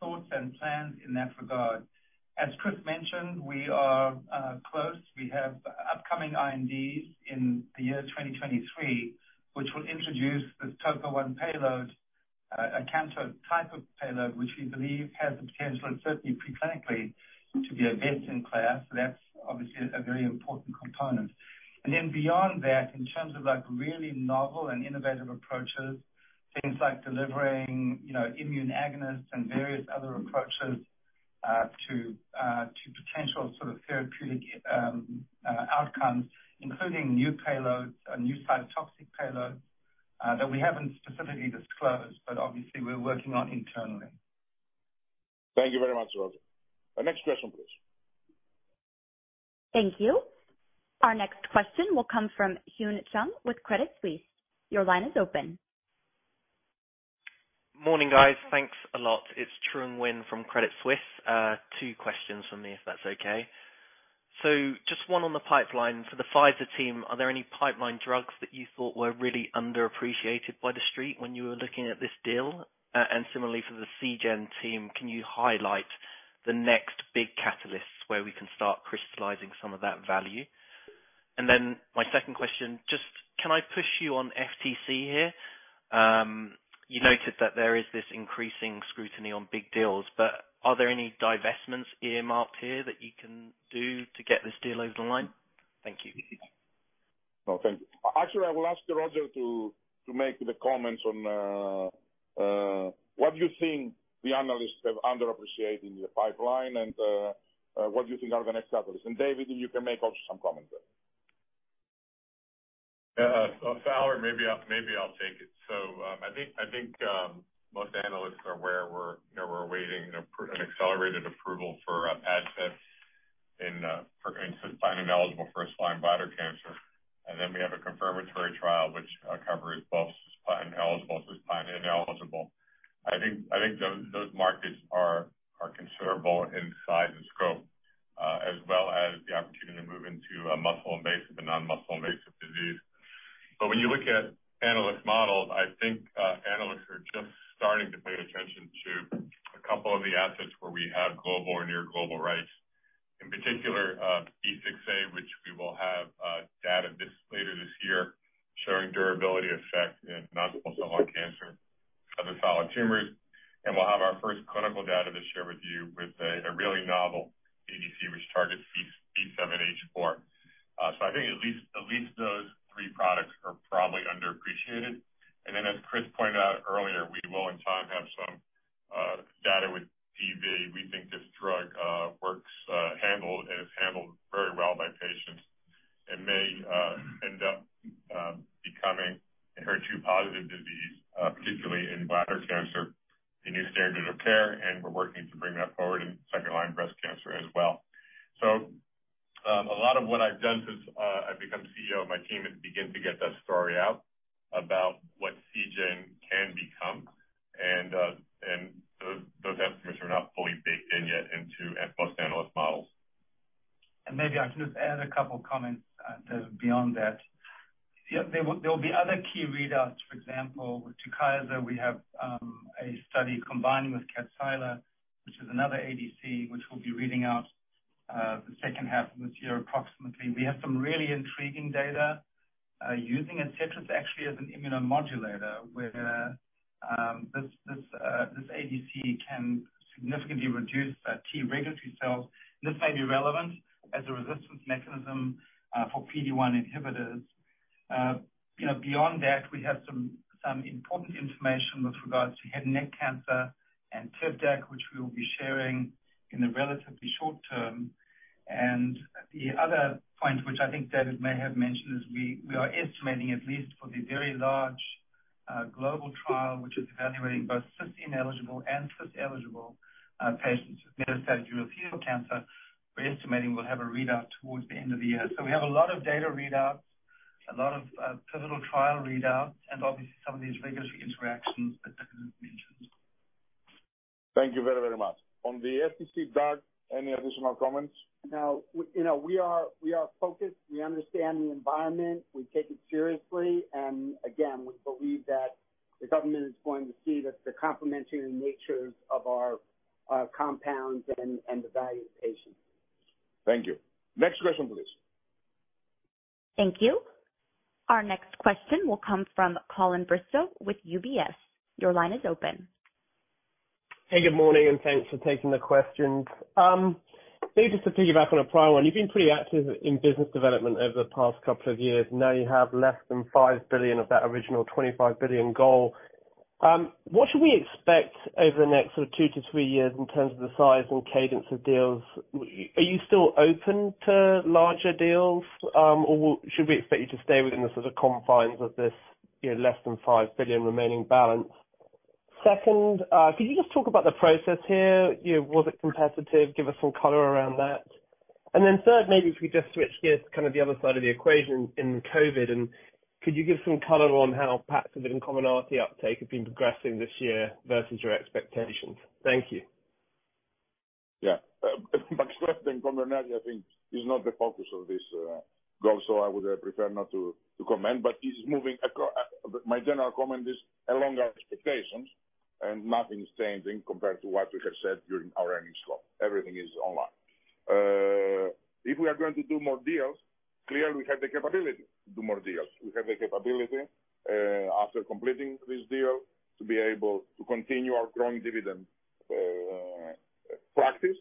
thoughts and plans in that regard. As Chris mentioned, we are close. We have upcoming INDs in the year 2023, which will introduce this Topo-1 payload, a cancer type of payload, which we believe has the potential, and certainly pre-clinically, to be events in class. That's obviously a very important component. Beyond that, in terms of, like, really novel and innovative approaches, things like delivering, you know, immune agonists and various other approaches, to potential sort of therapeutic outcomes, including new payloads, new cytotoxic payloads, that we haven't specifically disclosed, but obviously we're working on internally. Thank you very much, Roger. Next question, please. Thank you. Our next question will come from Trung Huynh with Credit Suisse. Your line is open. Morning, guys. Thanks a lot. It's Trung Huynh from Credit Suisse. Two questions from me, if that's okay. Just one on the pipeline. For the Pfizer team, are there any pipeline drugs that you thought were really underappreciated by the Street when you were looking at this deal? Similarly for the Seagen team, can you highlight the next big catalysts where we can start crystallizing some of that value? Then my second question, just can I push you on FTC here? You noted that there is this increasing scrutiny on big deals, are there any divestments earmarked here that you can do to get this deal over the line? Thank you. No, thank you. Actually, I will ask Roger to make the comments on what you think the analysts have underappreciated in the pipeline and what you think are the next catalysts. David, you can make also some comments there. Yeah. Maybe I'll, maybe I'll take it. I think most analysts are aware we're awaiting an accelerated approval for ADCETRIS in cisplatin-eligible versus platinum-vulnerable cancer. Then we have a confirmatory trial which covers both platinum-eligible to platinum-ineligible. I think those markets are considerable in size and scope, as well as the opportunity to move into a muscle-invasive and non-muscle-invasive disease. When you look at analyst models, I think analysts are just starting to pay attention to a couple of the assets where we have global or near global rights. In particular, B six A, which we will have data later this year showing durability effect in non-small cell lung cancer, other solid tumors. We'll have our first clinical data to share with you with a really novel ADC, which targets B7-H4. I think at least those three products are probably underappreciated. Then as Chris pointed out earlier, we will in time have some data with PV. We think this drug works, handled and is handled very well by patients and may end up becoming HER2-positive disease, particularly in bladder cancer, the new standard of care, and we're working to bring that forward in second-line breast cancer as well. A lot of what I've done since I've become CEO of my team is begin to get that story out about what Seagen can become and those estimates are not fully baked in yet into most analyst models. Maybe I can just add a couple of comments to beyond that. Yeah. There will be other key readouts, for example, with TUKYSA, we have a study combining with Casila, which is another ADC, which we'll be reading out the second half of this year, approximately. We have some really intriguing data using ADCETRIS actually as an immunomodulator, where this ADC can significantly reduce T regulatory cells. This may be relevant as a resistance mechanism for PD-1 inhibitors. You know, beyond that, we have important information with regards to head and neck cancer and TIVDAK, which we will be sharing in the relatively short term. The other point, which I think David may have mentioned, is we are estimating, at least for the very large global trial, which is evaluating both cisplatin-ineligible and cisplatin-eligible patients with metastatic urothelial cancer. We're estimating we'll have a readout towards the end of the year. We have a lot of data readouts, a lot of pivotal trial readouts, and obviously some of these regulatory interactions that David mentioned. Thank you very, very much. On the FTC drug, any additional comments? No. You know, we are focused. We understand the environment. We take it seriously. Again, we believe that the government is going to see that the complementary natures of our compounds and the value to patients. Thank you. Next question, please. Thank you. Our next question will come from Colin Bristow with UBS. Your line is open. Hey, good morning, thanks for taking the questions. Maybe just to piggyback on a prior one. You've been pretty active in business development over the past couple of years. Now you have less than $5 billion of that original $25 billion goal. What should we expect over the next sort of 2 to 3 years in terms of the size and cadence of deals? Are you still open to larger deals? Should we expect you to stay within the sort of confines of this, you know, less than $5 billion remaining balance? Second, could you just talk about the process here? You know, was it competitive? Give us some color around that. Third, maybe if we just switch gears to kind of the other side of the equation in COVID, and could you give some color on how perhaps the Comirnaty uptake has been progressing this year versus your expectations? Thank you. Yeah. Maxgrip then commonality, I think is not the focus of this goal, so I would prefer not to comment, but it is moving. My general comment is along our expectations and nothing's changing compared to what we have said during our earnings call. Everything is online. If we are going to do more deals, clearly we have the capability to do more deals. We have the capability, after completing this deal, to be able to continue our growing dividend practice,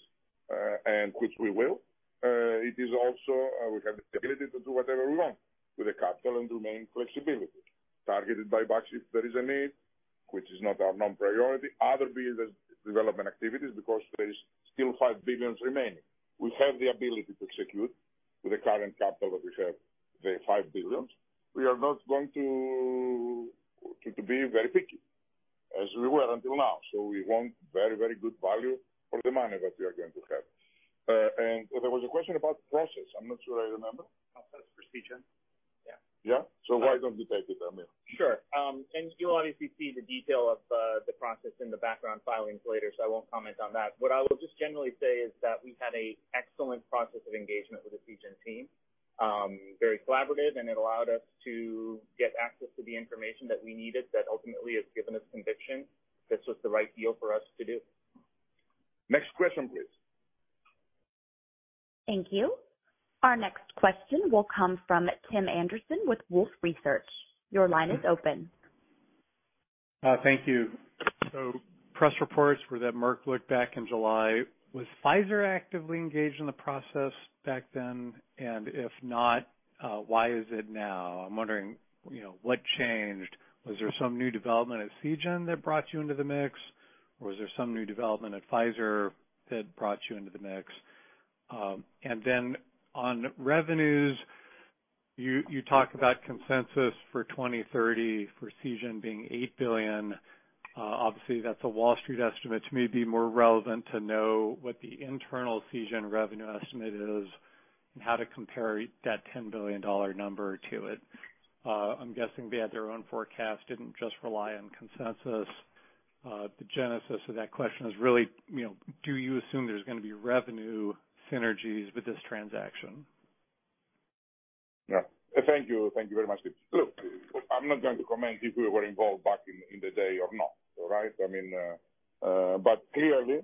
and which we will. It is also, we have the ability to do whatever we want with the capital and remain flexibility. Targeted by buybacks if there is a need, which is not our known priority. Other business development activities because there is still $5 billion remaining. We have the ability to execute with the current capital that we have, the $5 billion. We are not going to be very picky as we were until now. We want very, very good value for the money that we are going to have. There was a question about process. I'm not sure I remember. Process for Seagen. Yeah. Yeah. Why don't you take it, Aamir? Sure. You'll obviously see the detail of the process in the background filings later. I won't comment on that. What I will just generally say is that we've had a excellent process of engagement with the Seagen team. Very collaborative. It allowed us to get access to the information that we needed that ultimately has given us conviction this was the right deal for us to do. Next question, please. Thank you. Our next question will come from Tim Anderson with Wolfe Research. Your line is open. Thank you. Press reports were that Merck looked back in July. Was Pfizer actively engaged in the process back then? If not, why is it now? I'm wondering, you know, what changed? Was there some new development at Seagen that brought you into the mix, or was there some new development at Pfizer that brought you into the mix? Then on revenues, you talk about consensus for 2030 for Seagen being $8 billion. Obviously, that's a Wall Street estimate. To me it would be more relevant to know what the internal Seagen revenue estimate is and how to compare that $10 billion number to it. I'm guessing they had thfeir own forecast, didn't just rely on consensus. The genesis of that question is really, you know, do you assume there's gonna be revenue synergies with this transaction? Yeah. Thank you. Thank you very much. Look, I'm not going to comment if we were involved back in the day or not. All right? I mean, clearly,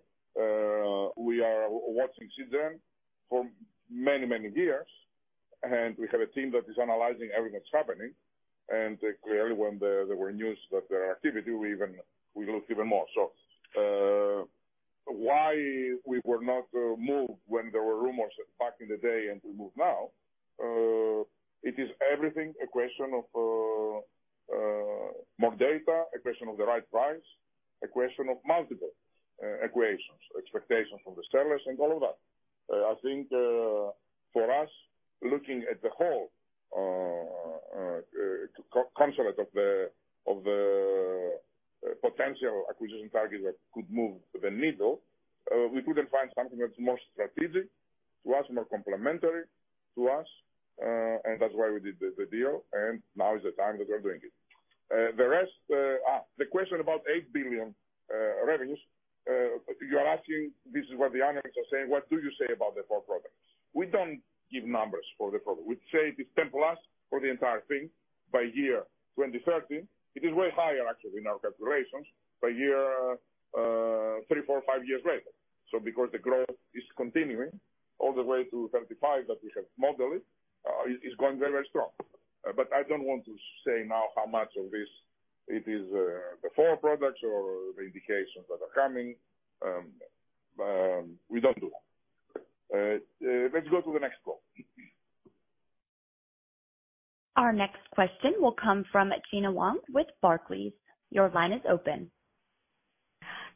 we are watching Seagen for many, many years. We have a team that is analyzing everything that's happening. Clearly when there were news about their activity, we looked even more. Why we were not moved when there were rumors back in the day and we move now, it is everything a question of more data, a question of the right price, a question of multiple equations, expectations from the sellers and all of that. I think for us, looking at the whole constellation of the potential acquisition targets that could move the needle, we couldn't find something that's more strategic to us, more complementary to us, and that's why we did the deal. Now is the time that we're doing it. The question about $8 billion revenues, you're asking this is what the analysts are saying. What do you say about the 4 products? We don't give numbers for the product. We say it is 10+ for the entire thing by year 2030. It is way higher actually in our calculations by year 3, 4, 5 years later. Because the growth is continuing all the way to 35 that we have modeled, it is going very strong. I don't want to say now how much of this it is, the 4 products or the indications that are coming. We don't do them. Let's go to the next call. Our next question will come from Gena Wang with Barclays. Your line is open.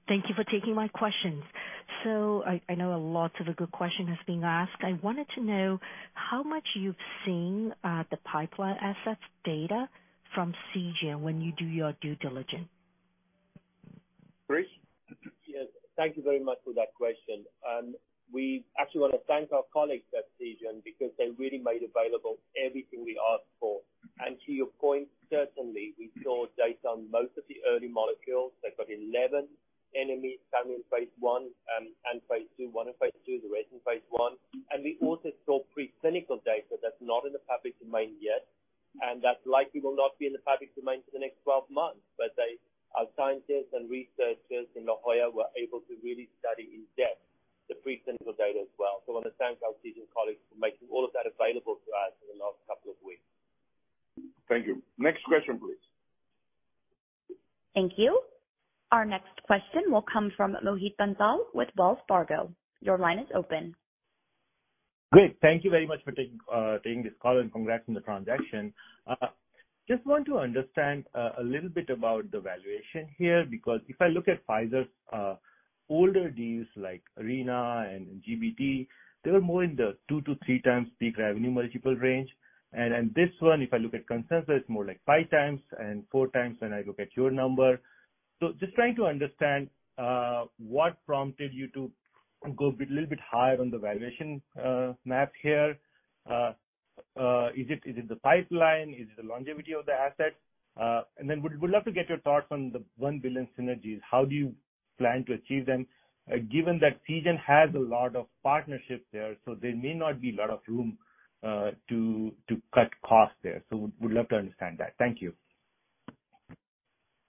Thank you for taking my questions. I know a lot of a good question has been asked. I wanted to know how much you've seen the pipeline assets data from Seagen when you do your due diligence. Chris? Yes. Thank you very much for that question. We actually wanna thank our colleagues at Seagen because they really made available everything we asked for. To your point, certainly we saw data on most of the early molecules. They've got 11 NME coming in phase 1 and phase 2. One in phase 2, the rest in phase 1. We also saw preclinical data that's not in the public domain yet, and that likely will not be in the public domain for the next 12 months. Our scientists and researchers in La Jolla were able to really study in depth the preclinical data as well. I wanna thank our Seagen colleagues for making all of that available to us in the last couple of weeks. Thank you. Next question, please. Thank you. Our next question will come from Mohit Bansal with Wells Fargo. Your line is open. Great. Thank you very much for taking this call, and congrats on the transaction. Just want to understand a little bit about the valuation here, because if I look at Pfizer's older deals like Arena and GBT, they were more in the 2-3 times peak revenue multiple range. This one, if I look at consensus, it's more like 5 times and 4 times when I look at your number. Just trying to understand what prompted you to go bit, little bit higher on the valuation map here. Is it the pipeline? Is it the longevity of the assets? Then would love to get your thoughts on the $1 billion synergies. How do you plan to achieve them, given that Seagen has a lot of partnerships there, so there may not be a lot of room to cut costs there. Would love to understand that. Thank you.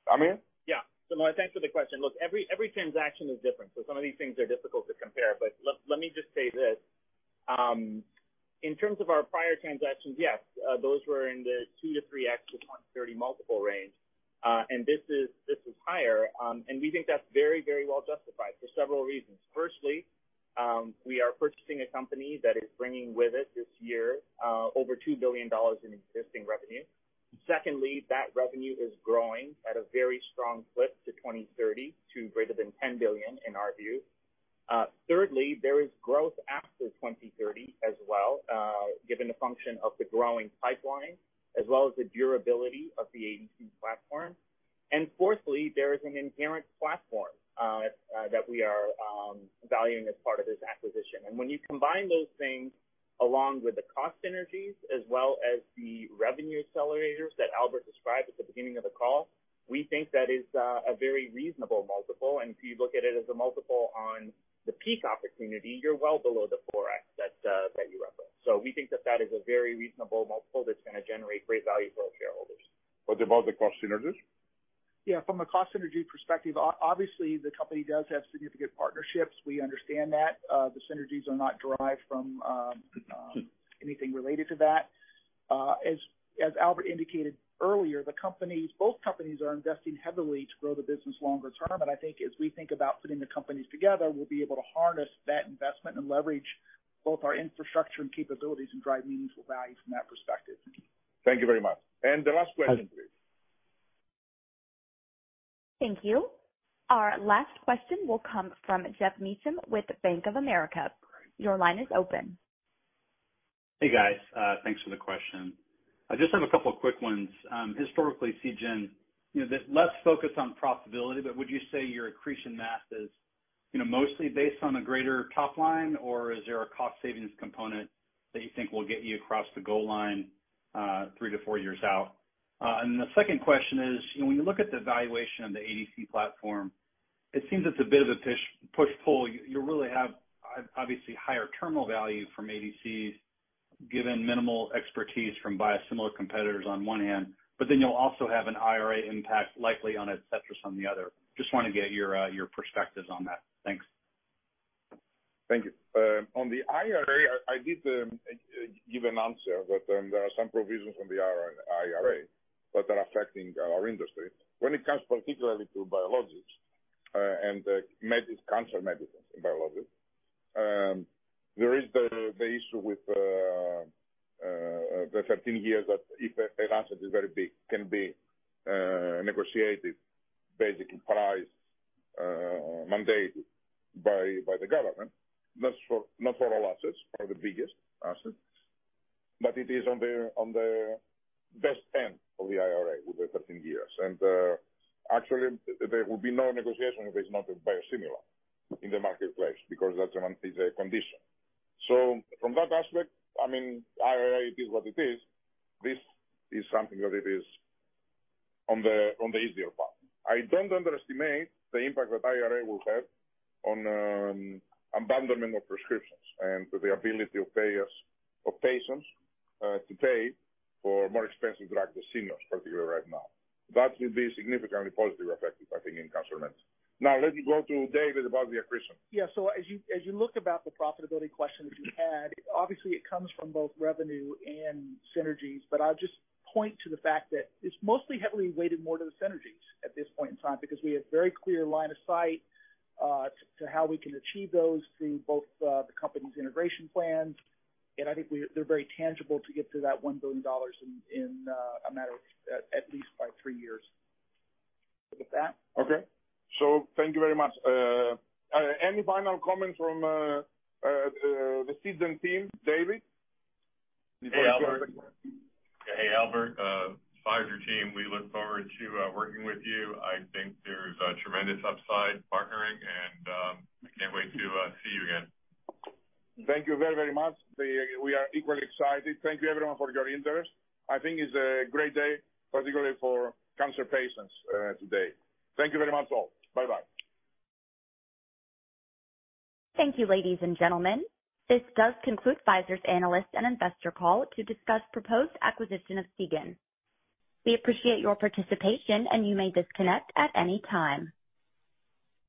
Aamir? Yeah. Mohit, thanks for the question. Look, every transaction is different, some of these things are difficult to compare. Let me just say this. In terms of our prior transactions, yes, those were in the 2-3x to 2030 multiple range. This is higher. We think that's very well justified for several reasons. Firstly, we are purchasing a company that is bringing with it this year, over $2 billion in existing revenue. Secondly, that revenue is growing at a very strong clip to 2030 to greater than $10 billion in our view. Thirdly, there is growth after 2030 as well, given the function of the growing pipeline as well as the durability of the ADC platform. Fourthly, there is an inherent platform that we are valuing as part of this acquisition. When you combine those things along with the cost synergies as well as the revenue accelerators that Albert described at the beginning of the call, we think that is a very reasonable multiple. If you look at it as a multiple on the peak opportunity, you're well below the 4x that you referenced. We think that is a very reasonable multiple that's gonna generate great value for our shareholders. What about the cost synergies? Yeah, from a cost synergy perspective, obviously the company does have significant partnerships. We understand that. The synergies are not derived from anything related to that. As Albert indicated earlier, both companies are investing heavily to grow the business longer term. I think as we think about fitting the companies together, we'll be able to harness that investment and leverage both our infrastructure and capabilities and drive meaningful value from that perspective. Thank you very much. The last question, please. Thank you. Our last question will come from Geoff Meacham with Bank of America. Your line is open. Hey, guys. Thanks for the question. I just have a couple quick ones. Historically, Seagen, you know, they're less focused on profitability, but would you say your accretion math, you know, mostly based on a greater top line or is there a cost savings component that you think will get you across the goal line, three to four years out? The second question is, you know, when you look at the valuation of the ADC platform, it seems it's a bit of a push-pull. You really have obviously higher terminal value from ADCs given minimal expertise from biosimilar competitors on one hand, but then you'll also have an IRA impact likely on ADCETRIS on the other. Just wanna get your perspectives on that. Thanks. Thank you. On the IRA, I did give an answer, there are some provisions on the IRA that are affecting our industry. When it comes particularly to biologics, and cancer medicines and biologics, there is the issue with the 13 years that if an asset is very big, can be negotiated basic price mandated by the government. Not for all assets, for the biggest assets, it is on the best end of the IRA with the 13 years. Actually, there will be no negotiation if it's not a biosimilar in the marketplace because that's one is a condition. From that aspect, I mean, IRA, it is what it is. This is something that it is on the easier path. I don't underestimate the impact that IRA will have on, abandonment of prescriptions and the ability of patients, to pay for more expensive drugs, ADCETRIS particularly right now. That will be significantly positive effect, I think, in cancer meds. Let me go to David about the accretion. Yeah. As you look about the profitability question that you had, obviously it comes from both revenue and synergies, but I'll just point to the fact that it's mostly heavily weighted more to the synergies at this point in time because we have very clear line of sight to how we can achieve those through both the company's integration plans. I think they're very tangible to get to that $1 billion in a matter of at least by 3 years. With that. Okay. Thank you very much. Any final comments from the Seagen team? Dave? Hey, Albert. Pfizer team, we look forward to working with you. I think there's a tremendous upside partnering. I can't wait to see you again. Thank you very, very much. We are equally excited. Thank you everyone for your interest. I think it's a great day, particularly for cancer patients, today. Thank you very much all. Bye-bye. Thank you, ladies and gentlemen. This does conclude Pfizer's analyst and investor call to discuss proposed acquisition of Seagen. We appreciate your participation, and you may disconnect at any time.